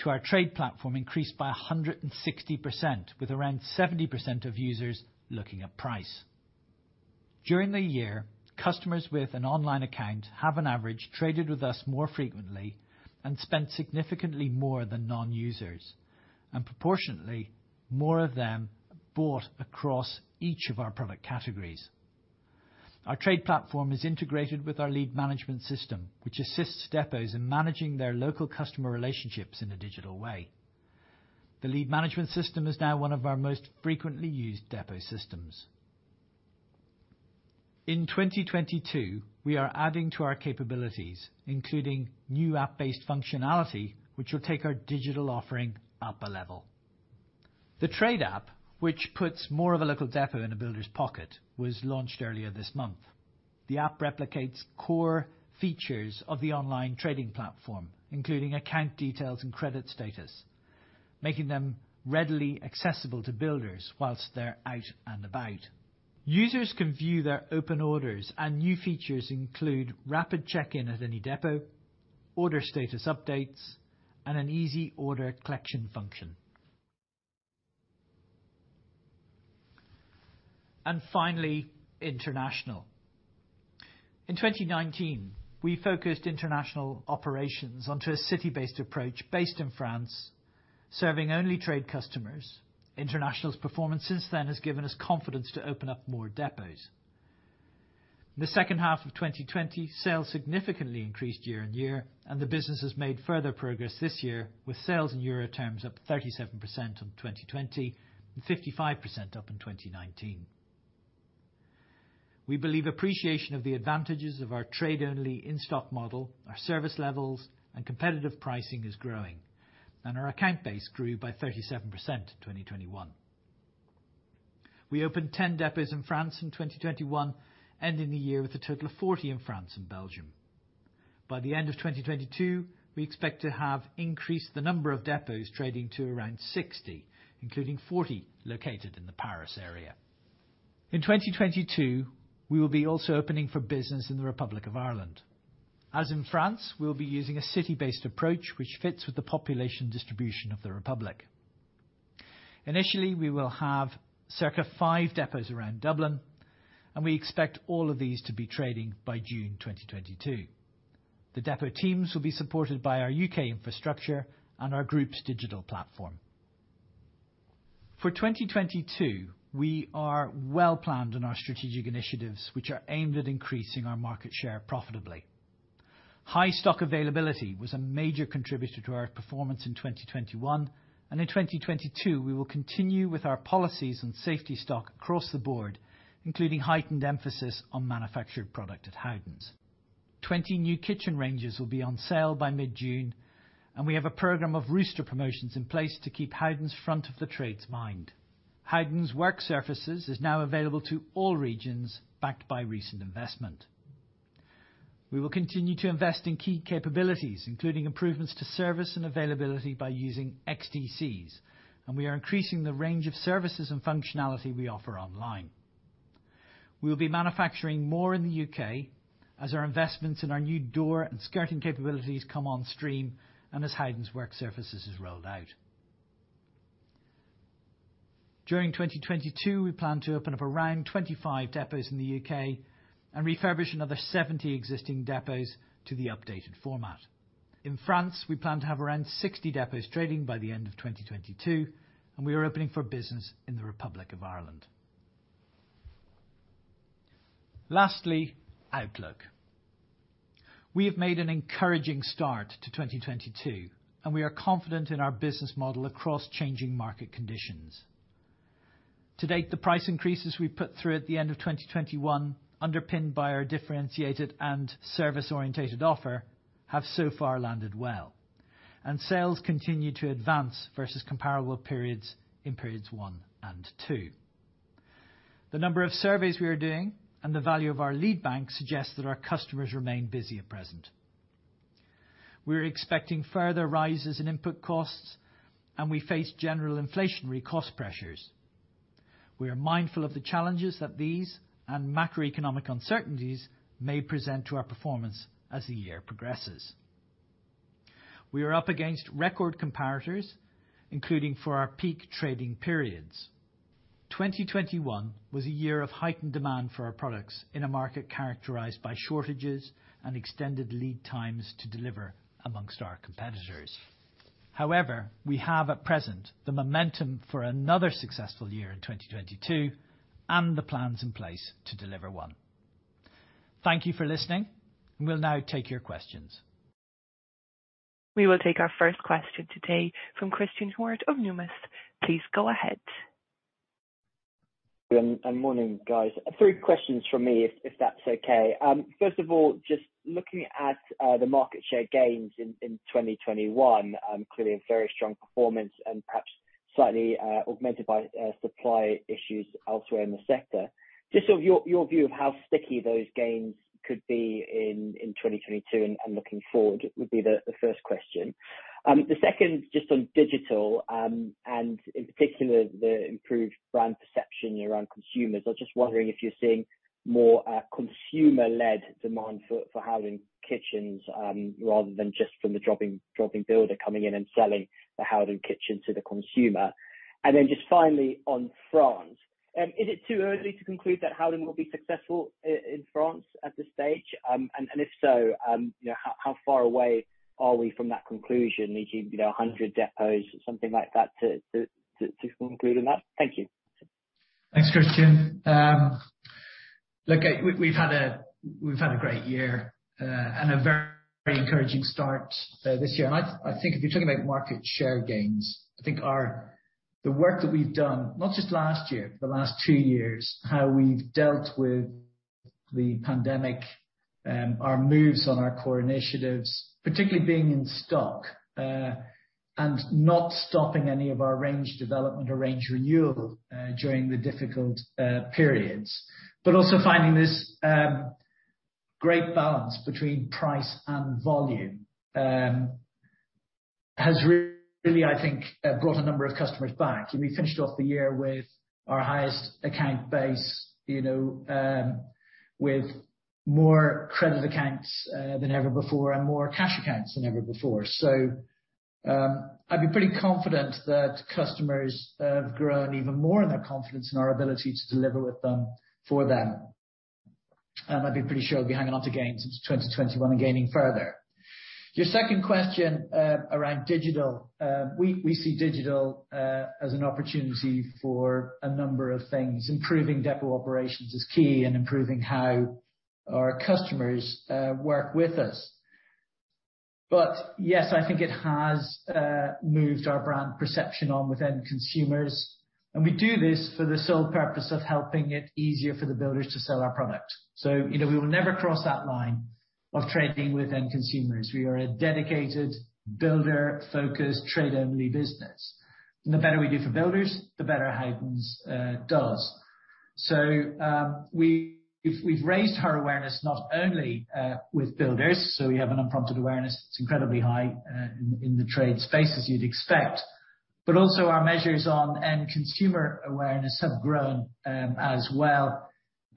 to our trade platform increased by 160%, with around 70% of users looking at price. During the year, customers with an online account have on average traded with us more frequently and spent significantly more than non-users, and proportionately, more of them bought across each of our product categories. Our trade platform is integrated with our lead management system, which assists depots in managing their local customer relationships in a digital way. The lead management system is now one of our most frequently used depot systems. In 2022, we are adding to our capabilities, including new app-based functionality, which will take our digital offering up a level. The trade app, which puts more of a local depot in a builder's pocket, was launched earlier this month. The app replicates core features of the online trading platform, including account details and credit status, making them readily accessible to builders while they're out and about. Users can view their open orders, and new features include rapid check-in at any depot, order status updates, and an easy order collection function. Finally, international. In 2019, we focused international operations onto a city-based approach based in France, serving only trade customers. International's performance since then has given us confidence to open up more depots. In the second half of 2020, sales significantly increased year-on-year, and the business has made further progress this year with sales in euro terms up 37% on 2020 and 55% up in 2019. We believe appreciation of the advantages of our trade-only in-stock model, our service levels, and competitive pricing is growing, and our account base grew by 37% in 2021. We opened 10 depots in France in 2021, ending the year with a total of 40 in France and Belgium. By the end of 2022, we expect to have increased the number of depots trading to around 60, including 40 located in the Paris area. In 2022, we will be also opening for business in the Republic of Ireland. As in France, we'll be using a city-based approach which fits with the population distribution of the Republic. Initially, we will have circa 5 depots around Dublin, and we expect all of these to be trading by June 2022. The depot teams will be supported by our UK infrastructure and our group's digital platform. For 2022, we are well planned in our strategic initiatives, which are aimed at increasing our market share profitably. High stock availability was a major contributor to our performance in 2021, and in 2022, we will continue with our policies on safety stock across the board, including heightened emphasis on manufactured product at Howdens. 20 new kitchen ranges will be on sale by mid-June, and we have a program of roster promotions in place to keep Howdens front of the trade's mind. Howdens Work Surfaces is now available to all regions backed by recent investment. We will continue to invest in key capabilities, including improvements to service and availability by using XDCs, and we are increasing the range of services and functionality we offer online. We will be manufacturing more in the U.K. as our investments in our new door and skirting capabilities come on stream and as Howdens Work Surfaces is rolled out. During 2022, we plan to open up around 25 depots in the U.K. and refurbish another 70 existing depots to the updated format. In France, we plan to have around 60 depots trading by the end of 2022, and we are opening for business in the Republic of Ireland. Lastly, outlook. We have made an encouraging start to 2022, and we are confident in our business model across changing market conditions. To date, the price increases we put through at the end of 2021, underpinned by our differentiated and service-oriented offer, have so far landed well, and sales continue to advance versus comparable periods in periods 1 and 2. The number of surveys we are doing and the value of our lead bank suggests that our customers remain busy at present. We're expecting further rises in input costs, and we face general inflationary cost pressures. We are mindful of the challenges that these and macroeconomic uncertainties may present to our performance as the year progresses. We are up against record comparators, including for our peak trading periods. 2021 was a year of heightened demand for our products in a market characterized by shortages and extended lead times to deliver amongst our competitors. However, we have at present the momentum for another successful year in 2022 and the plans in place to deliver one. Thank you for listening. We'll now take your questions. We will take our first question today from Christen Hjorth of Numis. Please go ahead. Morning, guys. Three questions from me if that's okay. First of all, just looking at the market share gains in 2021, clearly a very strong performance and perhaps slightly augmented by supply issues elsewhere in the sector. Just sort of your view of how sticky those gains could be in 2022 and looking forward would be the first question. The second just on digital and in particular, the improved brand perception around consumers. I was just wondering if you're seeing more consumer-led demand for Howdens kitchens rather than just from the jobbing builder coming in and selling the Howdens kitchen to the consumer. Just finally on France, is it too early to conclude that Howdens will be successful in France at this stage? If so, you know, how far away are we from that conclusion? Do we need to be 100 depots or something like that to conclude on that? Thank you. Thanks, Christen. Look, we've had a great year and a very encouraging start this year. I think if you're talking about market share gains, the work that we've done, not just last year, the last two years, how we've dealt with the pandemic, our moves on our core initiatives, particularly being in stock, and not stopping any of our range development or range renewal during the difficult periods. Also finding this great balance between price and volume has really, I think, brought a number of customers back. We finished off the year with our highest account base, you know, with more credit accounts than ever before and more cash accounts than ever before. I'd be pretty confident that customers have grown even more in their confidence in our ability to deliver with them for them. I'd be pretty sure we'll be hanging on to gains since 2021 and gaining further. Your second question around digital. We see digital as an opportunity for a number of things. Improving depot operations is key and improving how our customers work with us. But yes, I think it has moved our brand perception on with end consumers, and we do this for the sole purpose of helping it easier for the builders to sell our product. You know, we will never cross that line of trading with end consumers. We are a dedicated builder-focused trade-only business. The better we do for builders, the better Howdens does. We've raised our awareness not only with builders, so we have an unprompted awareness. It's incredibly high in the trade space as you'd expect. Our measures on end consumer awareness have grown as well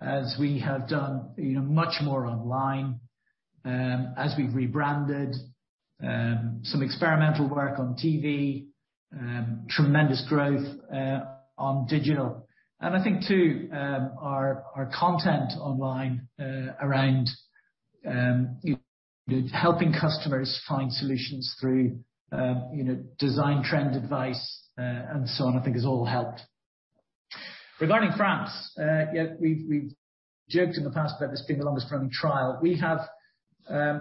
as we have done you know much more online as we've rebranded some experimental work on TV tremendous growth on digital. I think too our content online around you know helping customers find solutions through you know design trend advice and so on I think has all helped. Regarding France, yeah, we've joked in the past about this being the longest running trial. We have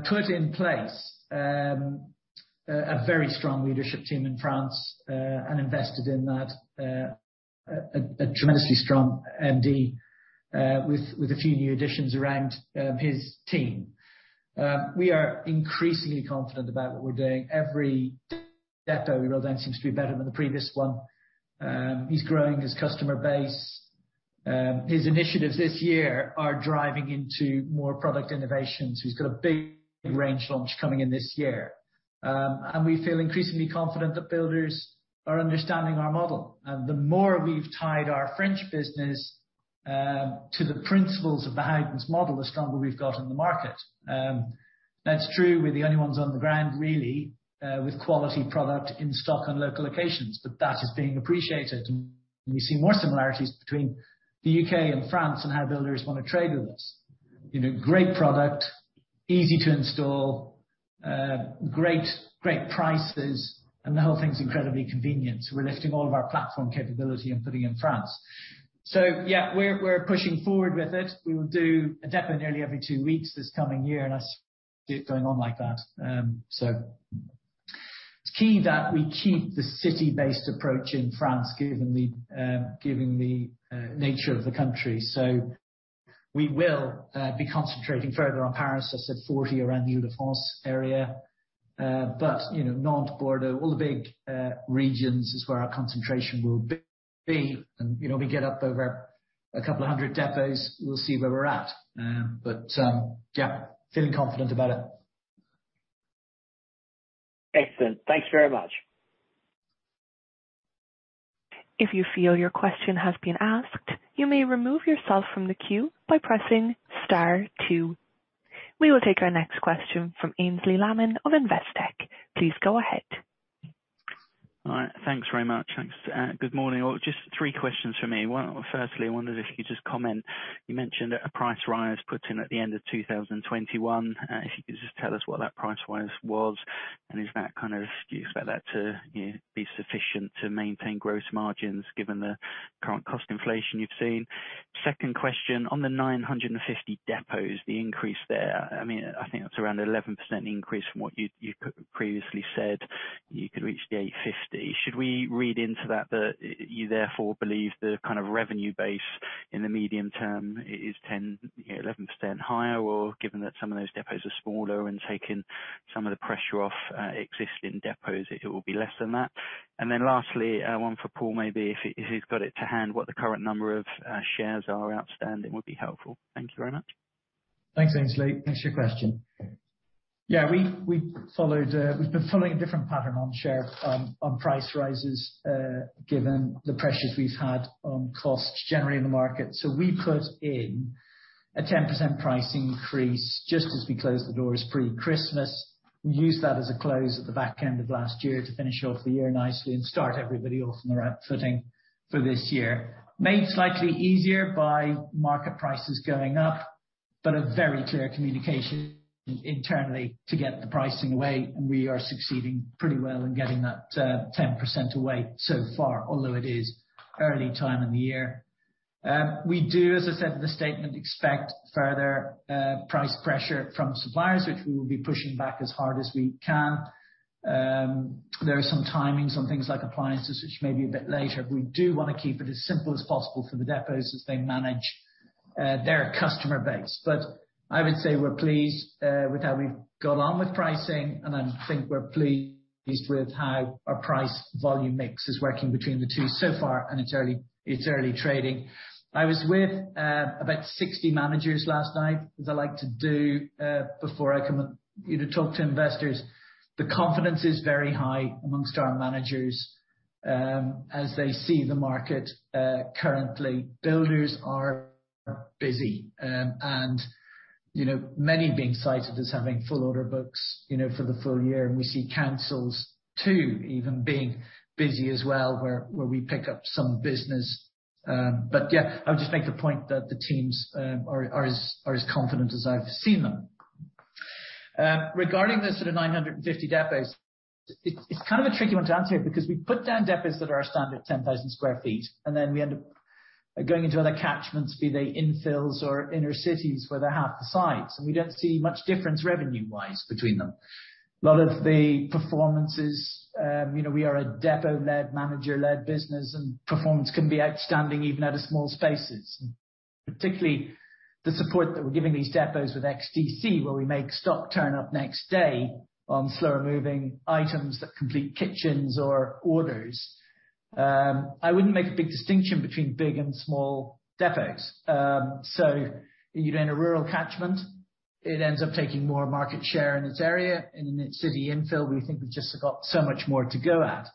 put in place a very strong leadership team in France and invested in that. A tremendously strong MD with a few new additions around his team. We are increasingly confident about what we're doing. Every depot we roll out then seems to be better than the previous one. He's growing his customer base. His initiatives this year are driving into more product innovation. He's got a big range launch coming in this year. We feel increasingly confident that builders are understanding our model. The more we've tied our French business to the principles of the Howdens model, the stronger we've got in the market. That's true, we're the only ones on the ground really with quality product in stock and local locations, but that is being appreciated. We see more similarities between the U.K. and France and how builders wanna trade with us. You know, great product, easy to install, great prices, and the whole thing's incredibly convenient. We're lifting all of our platform capability and putting in France. Yeah, we're pushing forward with it. We will do a depot nearly every two weeks this coming year, and I see it going on like that. It's key that we keep the city-based approach in France given the nature of the country. We will be concentrating further on Paris. I said 40 around the Île-de-France area. You know, Nantes, Bordeaux, all the big regions is where our concentration will be. You know, we get up over a couple of hundred depots, we'll see where we're at. Yeah, feeling confident about it. Excellent. Thanks very much. We will take our next question from Aynsley Lammin of Investec. Please go ahead. Good morning. Well, just three questions from me. One, firstly, I wondered if you could just comment. You mentioned a price rise put in at the end of 2021. If you could just tell us what that price rise was, and is that kind of, do you expect that to, you know, be sufficient to maintain gross margins given the current cost inflation you've seen? Second question, on the 950 depots, the increase there, I mean, I think that's around 11% increase from what you previously said you could reach the 850. Should we read into that you therefore believe the kind of revenue base in the medium term is 10, you know, 11% higher? Given that some of those depots are smaller and taking some of the pressure off existing depots, it will be less than that? Then lastly, one for Paul, maybe if he's got it to hand, what the current number of shares are outstanding would be helpful. Thank you very much. Thanks, Aynsley. Thanks for your question. Yeah, we followed, we've been following a different pattern on price rises, given the pressures we've had on costs generally in the market. We put in a 10% pricing increase just as we closed the doors pre-Christmas. We used that as a close at the back end of last year to finish off the year nicely and start everybody off on the right footing for this year. Made slightly easier by market prices going up, but a very clear communication internally to get the pricing away, and we are succeeding pretty well in getting that 10% away so far, although it is early time in the year. We do, as I said in the statement, expect further price pressure from suppliers, which we will be pushing back as hard as we can. There are some timings on things like appliances, which may be a bit later. We do wanna keep it as simple as possible for the depots as they manage their customer base. I would say we're pleased with how we've got on with pricing, and I think we're pleased with how our price volume mix is working between the two so far, and it's early trading. I was with about 60 managers last night, as I like to do, before I come up, you know, talk to investors. The confidence is very high among our managers, as they see the market currently. Builders are busy, and you know, many being cited as having full order books, you know, for the full year, and we see councils too, even being busy as well where we pick up some business. Yeah, I would just make the point that the teams are as confident as I've seen them. Regarding the sort of 950 depots, it's kind of a tricky one to answer because we put down depots that are a standard 10,000 sq ft, and then we end up going into other catchments, be they infills or inner cities, where they're half the size, and we don't see much difference revenue-wise between them. A lot of the performances, you know, we are a depot-led, manager-led business, and performance can be outstanding even out of small spaces, particularly the support that we're giving these depots with XDC, where we make stock turn up next day on slower-moving items that complete kitchens or orders. I wouldn't make a big distinction between big and small depots. You're in a rural catchment, it ends up taking more market share in its area. In a city infill, we think we've just got so much more to go at,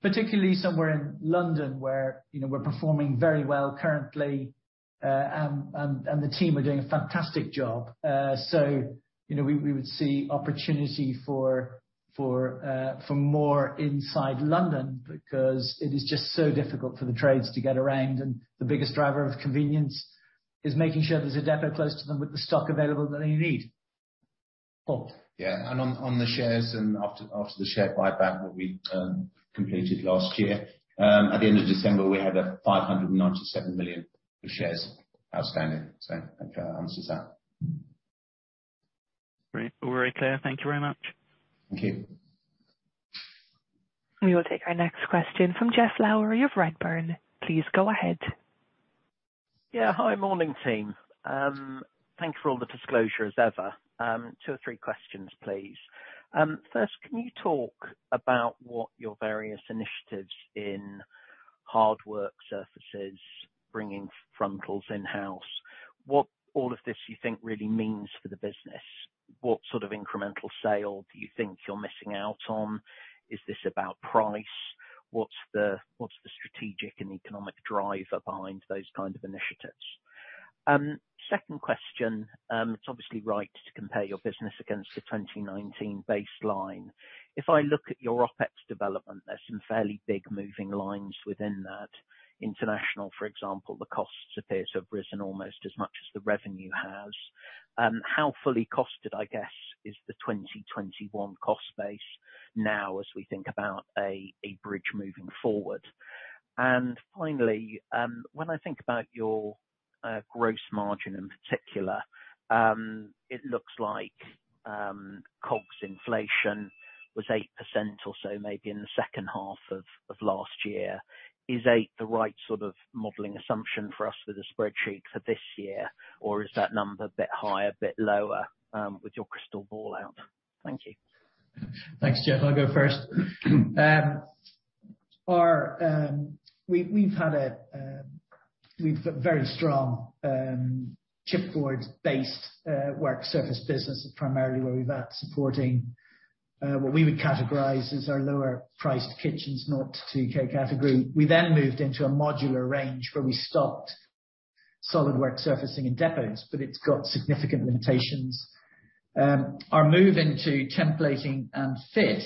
particularly somewhere in London, where, you know, we're performing very well currently, and the team are doing a fantastic job. You know, we would see opportunity for more inside London because it is just so difficult for the trades to get around, and the biggest driver of convenience is making sure there's a depot close to them with the stock available that they need. Paul? Yeah. On the shares and after the share buyback that we completed last year at the end of December, we had 597 million shares outstanding. I hope that answers that. Great. All very clear. Thank you very much. Thank you. We will take our next question from Geoff Lowery of Redburn. Please go ahead. Morning, team. Thanks for all the disclosure as ever. Two or three questions, please. First, can you talk about what your various initiatives in Howdens Work Surfaces, bringing frontals in-house, what all of this you think really means for the business? What sort of incremental sale do you think you're missing out on? Is this about price? What's the strategic and economic driver behind those kind of initiatives? Second question, it's obviously right to compare your business against the 2019 baseline. If I look at your OpEx development, there's some fairly big moving lines within that. International, for example, the costs appear to have risen almost as much as the revenue has. How fully costed, I guess, is the 2021 cost base now as we think about a bridge moving forward? Finally, when I think about your gross margin in particular, it looks like COGS inflation was 8% or so maybe in the second half of last year. Is 8 the right sort of modeling assumption for us with a spreadsheet for this year, or is that number a bit higher, a bit lower, with your crystal ball out? Thank you. Thanks, Jeff. I'll go first. We've had a very strong chipboard-based work surface business, primarily where we've been supporting what we would categorize as our lower priced kitchens, 0-2K category. We then moved into a modular range where we stocked solid work surfacing in depots, but it's got significant limitations. Our move into templating and fitting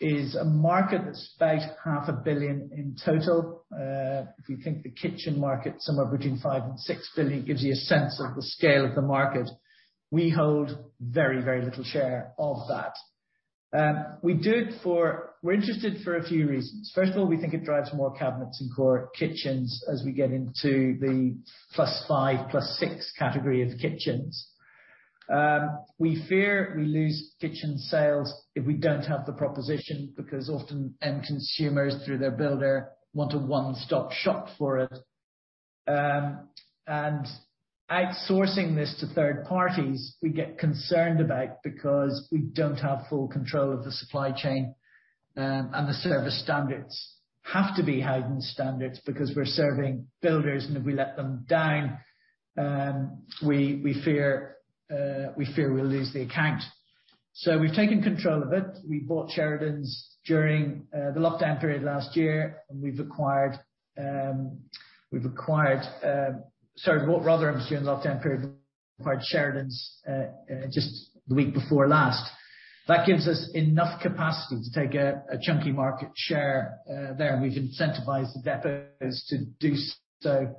is a market that's about 0.5 billion in total. If you think the kitchen market, somewhere between 5 billion and 6 billion, gives you a sense of the scale of the market. We hold very, very little share of that. We're interested for a few reasons. First of all, we think it drives more cabinets and core kitchens as we get into the plus five, plus six category of kitchens. We fear we lose kitchen sales if we don't have the proposition, because often end consumers, through their builder, want a one-stop shop for it. Outsourcing this to third parties, we get concerned about because we don't have full control of the supply chain, and the service standards have to be Howdens standards because we're serving builders, and if we let them down, we fear we'll lose the account. We've taken control of it. Sorry, we bought Rotherham Taylor during the lockdown period, acquired Sheridan Fabrications just the week before last. That gives us enough capacity to take a chunky market share there, and we've incentivized the depots to do so.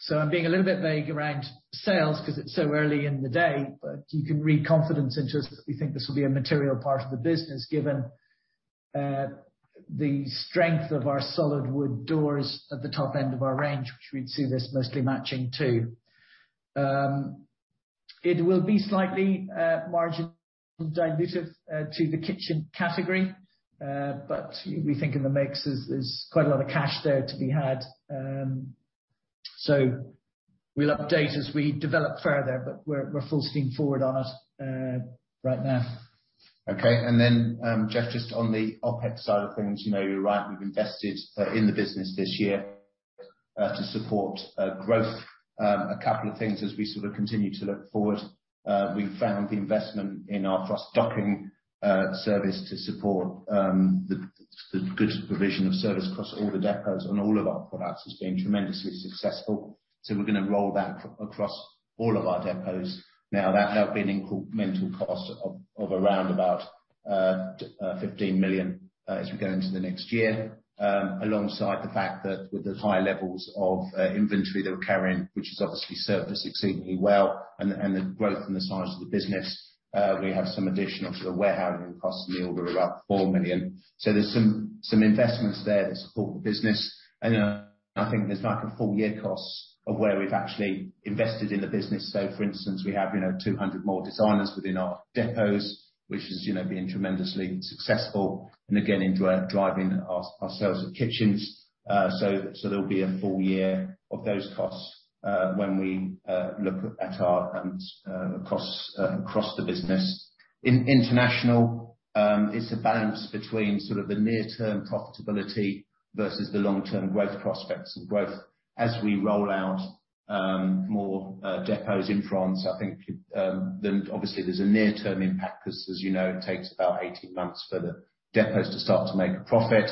So I'm being a little bit vague around sales 'cause it's so early in the day, but you can read confidence into us that we think this will be a material part of the business, given the strength of our solid wood doors at the top end of our range, which we'd see this mostly matching to. It will be slightly margin dilutive to the kitchen category, but we think in the mix there's quite a lot of cash there to be had. So we'll update as we develop further, but we're full steam forward on it right now. Okay. Jeff, just on the OpEx side of things, you know, you're right, we've invested in the business this year to support growth. A couple of things as we sort of continue to look forward. We found the investment in our cross-docking service to support the good provision of service across all the depots and all of our products has been tremendously successful. We're gonna roll that across all of our depots. Now, that will be an incremental cost of around about 15 million as we go into the next year. Alongside the fact that with the high levels of inventory that we're carrying, which has obviously served us exceedingly well, and the growth and the size of the business, we have some additional sort of warehousing costs in the order of about 4 million. There's some investments there that support the business. I think there's like a full year cost of where we've actually invested in the business. For instance, we have, you know, 200 more designers within our depots, which has, you know, been tremendously successful and again into driving our sales of kitchens. There'll be a full year of those costs when we look across the business. In international, it's a balance between sort of the near-term profitability versus the long-term growth prospects of growth as we roll out more depots in France. I think then obviously there's a near-term impact because, as you know, it takes about 18 months for the depots to start to make a profit.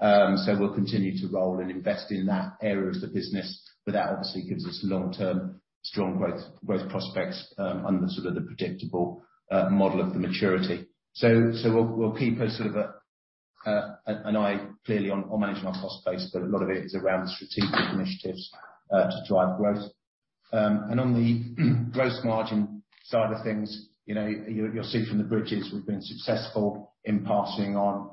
We'll continue to roll and invest in that area of the business, but that obviously gives us long-term strong growth prospects under sort of the predictable model of the maturity. We'll keep a sort of an eye clearly on managing our cost base, but a lot of it is around strategic initiatives to drive growth. On the gross margin side of things, you know, you'll see from the bridges we've been successful in passing on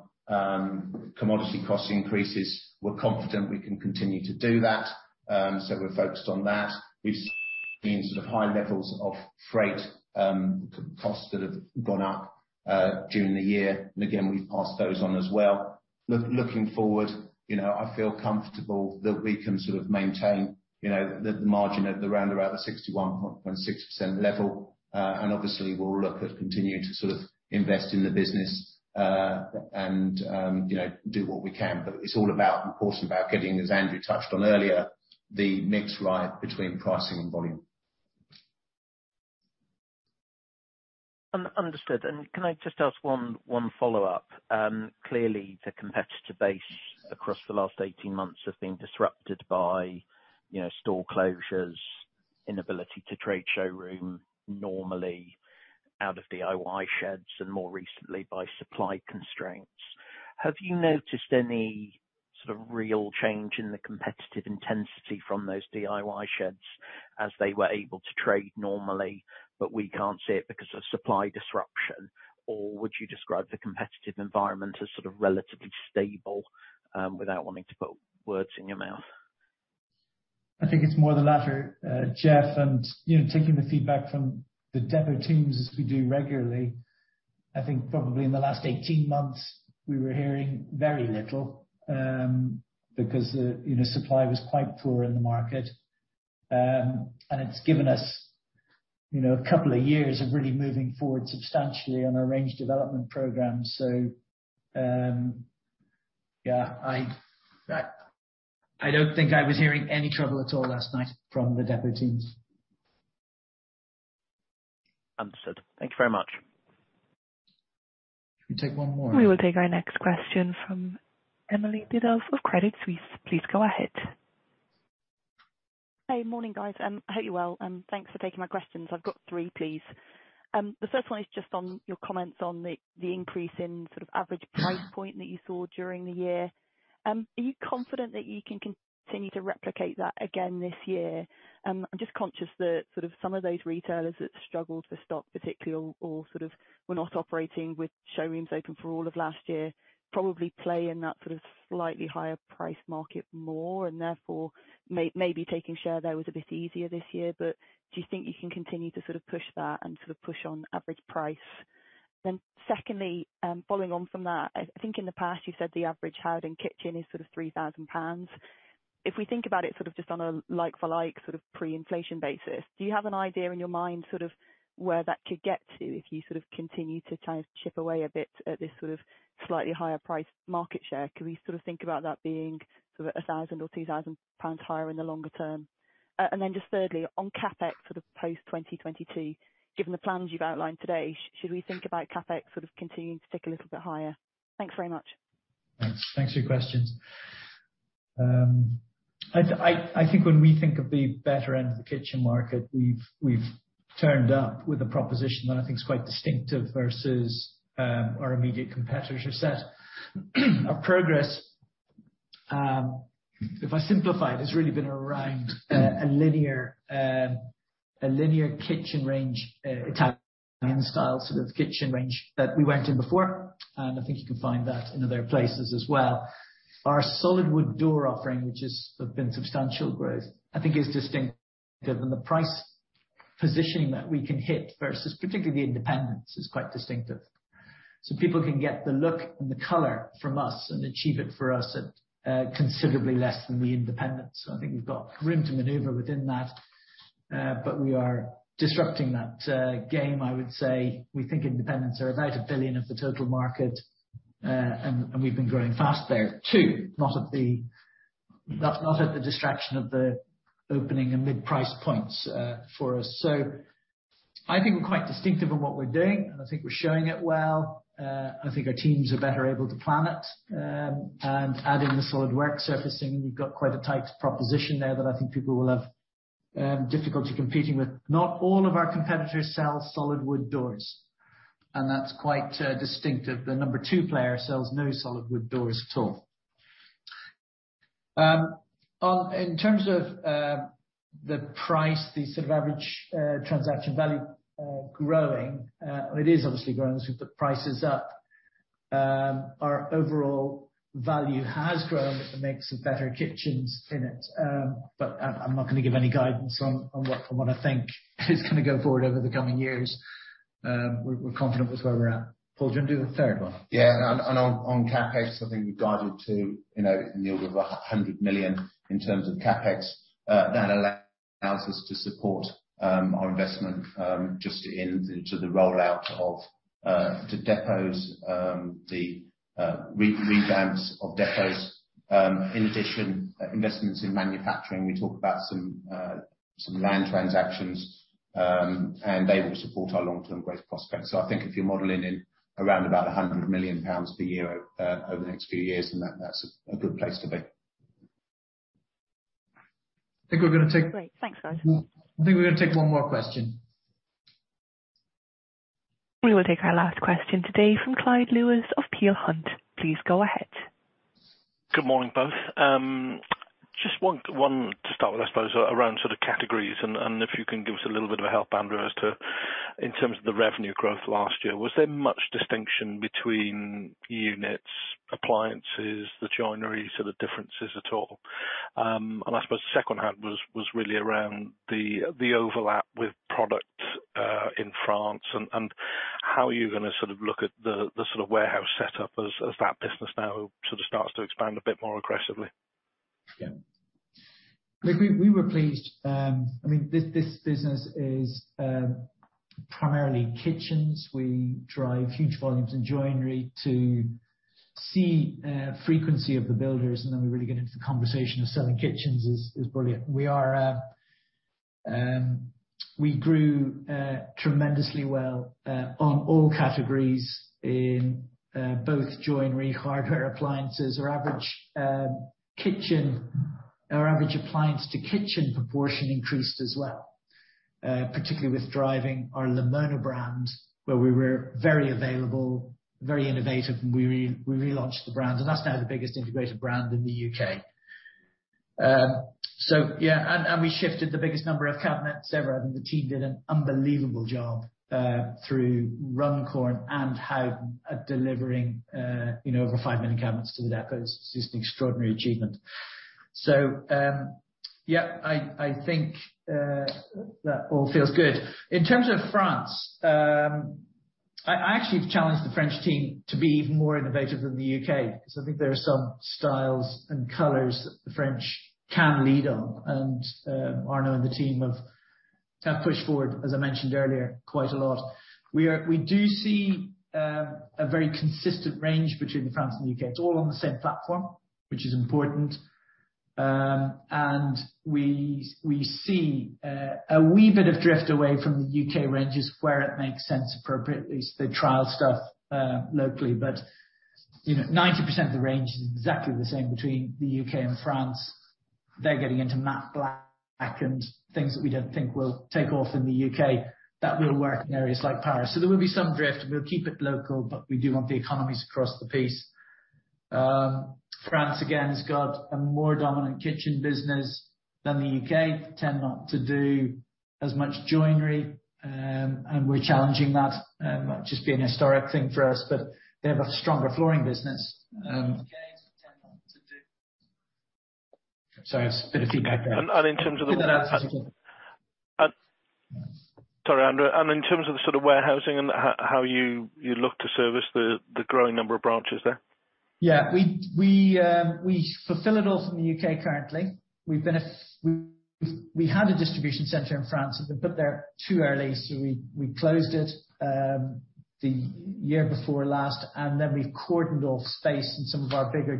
commodity cost increases. We're confident we can continue to do that, so we're focused on that. We've seen sort of high levels of freight costs that have gone up. During the year, and again, we've passed those on as well. Looking forward, you know, I feel comfortable that we can sort of maintain, you know, the margin at around about the 61.6% level. Obviously, we'll look at continuing to sort of invest in the business, and you know, do what we can, but it's all about getting, as Andrew touched on earlier, the mix right between pricing and volume. Understood. Can I just ask one follow-up? Clearly, the competitor base across the last 18 months has been disrupted by, you know, store closures, inability to trade showroom normally, out of DIY sheds, and more recently, by supply constraints. Have you noticed any sort of real change in the competitive intensity from those DIY sheds as they were able to trade normally, but we can't see it because of supply disruption? Or would you describe the competitive environment as sort of relatively stable, without wanting to put words in your mouth? I think it's more the latter, Jeff. You know, taking the feedback from the depot teams as we do regularly, I think probably in the last 18 months, we were hearing very little because the you know, supply was quite poor in the market. It's given us, you know, a couple of years of really moving forward substantially on our range development program. Yeah, I don't think I was hearing any trouble at all last night from the depot teams. Understood. Thank you very much. Should we take one more? We will take our next question from Emily Biddulph of Credit Suisse. Please go ahead. Hey. Morning, guys. Hope you're well, and thanks for taking my questions. I've got three, please. The first one is just on your comments on the increase in sort of average price point that you saw during the year. Are you confident that you can continue to replicate that again this year? I'm just conscious that sort of some of those retailers that struggled with stock particularly or were not operating with showrooms open for all of last year, probably play in that sort of slightly higher price market more and therefore maybe taking share there was a bit easier this year. Do you think you can continue to sort of push that and sort of push on average price? Secondly, following on from that, I think in the past you said the average Howdens kitchen is sort of 3,000 pounds. If we think about it sort of just on a like for like sort of pre-inflation basis, do you have an idea in your mind sort of where that could get to if you sort of continue to try to chip away a bit at this sort of slightly higher price market share? Can we sort of think about that being sort of 1,000 or 2,000 pounds higher in the longer term? And then just thirdly, on CapEx sort of post-2022, given the plans you've outlined today, should we think about CapEx sort of continuing to tick a little bit higher? Thanks very much. Thanks. Thanks for your questions. I think when we think of the better end of the kitchen market, we've turned up with a proposition that I think is quite distinctive versus our immediate competitor set. Our progress, if I simplify it, has really been around a linear kitchen range style sort of kitchen range that we went in before, and I think you can find that in other places as well. Our solid wood door offering, which has been substantial growth, I think is distinctive. The price positioning that we can hit versus particularly independents is quite distinctive. People can get the look and the color from us and achieve it for us at considerably less than the independents. I think we've got room to maneuver within that, but we are disrupting that game, I would say. We think independents are about 1 billion of the total market, and we've been growing fast there too. That's not at the detriment of the opening and mid-price points for us. I think we're quite distinctive in what we're doing, and I think we're showing it well. I think our teams are better able to plan it, and adding the solid works surfacing, we've got quite a tight proposition there that I think people will have difficulty competing with. Not all of our competitors sell solid wood doors, and that's quite distinctive. The number two player sells no solid wood doors at all. In terms of the price, the sort of average transaction value, it is obviously growing as we put prices up. Our overall value has grown. It makes some better kitchens in it. I'm not gonna give any guidance on what I think is gonna go forward over the coming years. We're confident with where we're at. Paul, do you wanna do the third one? On CapEx, I think we guided to in the region of 100 million in terms of CapEx. That allows us to support our investment in the rollout of depots, the revamps of depots. In addition, investments in manufacturing. We talked about some land transactions, and they will support our long-term growth prospects. I think if you're modeling in around about 100 million pounds per year over the next few years, then that's a good place to be. I think we're gonna take. Great. Thanks, guys. I think we're gonna take one more question. We will take our last question today from Clyde Lewis of Peel Hunt. Please go ahead. Good morning, both. Just one to start with, I suppose, around sort of categories, and if you can give us a little bit of a help, Andrew, as to in terms of the revenue growth last year. Was there much distinction between units, appliances, the joinery? So the differences at all. I suppose the second half was really around the overlap with product in France and how you're gonna sort of look at the sort of warehouse setup as that business now sort of starts to expand a bit more aggressively. Yeah. We were pleased. I mean, this business is primarily kitchens. We drive huge volumes in joinery to see frequency of the builders, and then we really get into the conversation of selling kitchens is brilliant. We grew tremendously well on all categories in both joinery, hardware, appliances. Our average kitchen or average appliance to kitchen proportion increased as well, particularly with driving our Lamona brand, where we were very available, very innovative, and we relaunched the brand, and that's now the biggest integrated brand in the U.K. So yeah. We shifted the biggest number of cabinets ever, and the team did an unbelievable job through Runcorn and Howden delivering over 5 million cabinets to the depot is just an extraordinary achievement. Yeah, I think that all feels good. In terms of France, I actually challenged the French team to be even more innovative than the U.K. because I think there are some styles and colors that the French can lead on, and Arno and the team have pushed forward, as I mentioned earlier, quite a lot. We do see a very consistent range between the France and the U.K. It's all on the same platform, which is important. We see a wee bit of drift away from the U.K. ranges where it makes sense appropriately. They trial stuff locally, but you know, 90% of the range is exactly the same between the U.K. and France. They're getting into matte black and things that we don't think will take off in the U.K. that will work in areas like Paris. There will be some drift. We'll keep it local, but we do want the economies across the piece. France again has got a more dominant kitchen business than the U.K., tend not to do as much joinery. We're challenging that. Might just be an historic thing for us, but they have a stronger flooring business than the U.K. tend not to do. In terms of the Do that again. Sorry, Andrew. In terms of the sort of warehousing and how you look to service the growing number of branches there? Yeah. We fulfill it all from the U.K. currently. We had a distribution center in France that we put there too early, so we closed it the year before last, and then we've cordoned off space in some of our bigger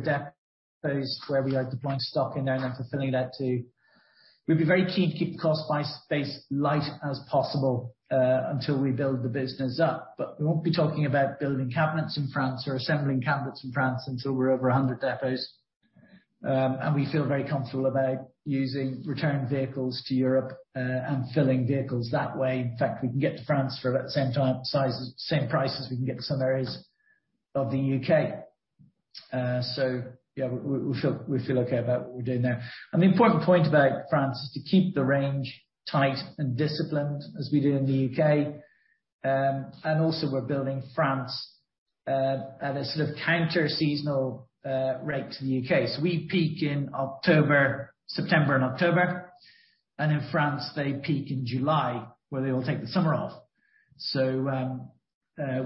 depots where we are deploying stock in there now and fulfilling that too. We'd be very keen to keep the cost base as light as possible until we build the business up. We won't be talking about building cabinets in France or assembling cabinets in France until we're over 100 depots. We feel very comfortable about using return vehicles to Europe and filling vehicles that way. In fact, we can get to France for about the same price as we can get to some areas of the U.K. Yeah, we feel okay about what we're doing there. The important point about France is to keep the range tight and disciplined as we do in the U.K. We're building France at a sort of counterseasonal rate to the U.K. We peak in October, September and October, and in France, they peak in July, where they all take the summer off.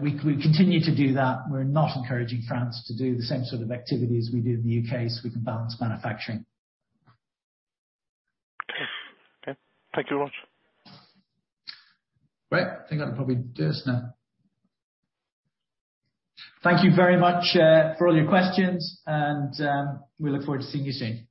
We continue to do that. We're not encouraging France to do the same sort of activity as we do in the U.K., so we can balance manufacturing. Okay. Thank you very much. Great. I think that'll probably do us now. Thank you very much for all your questions and we look forward to seeing you soon. Thank you.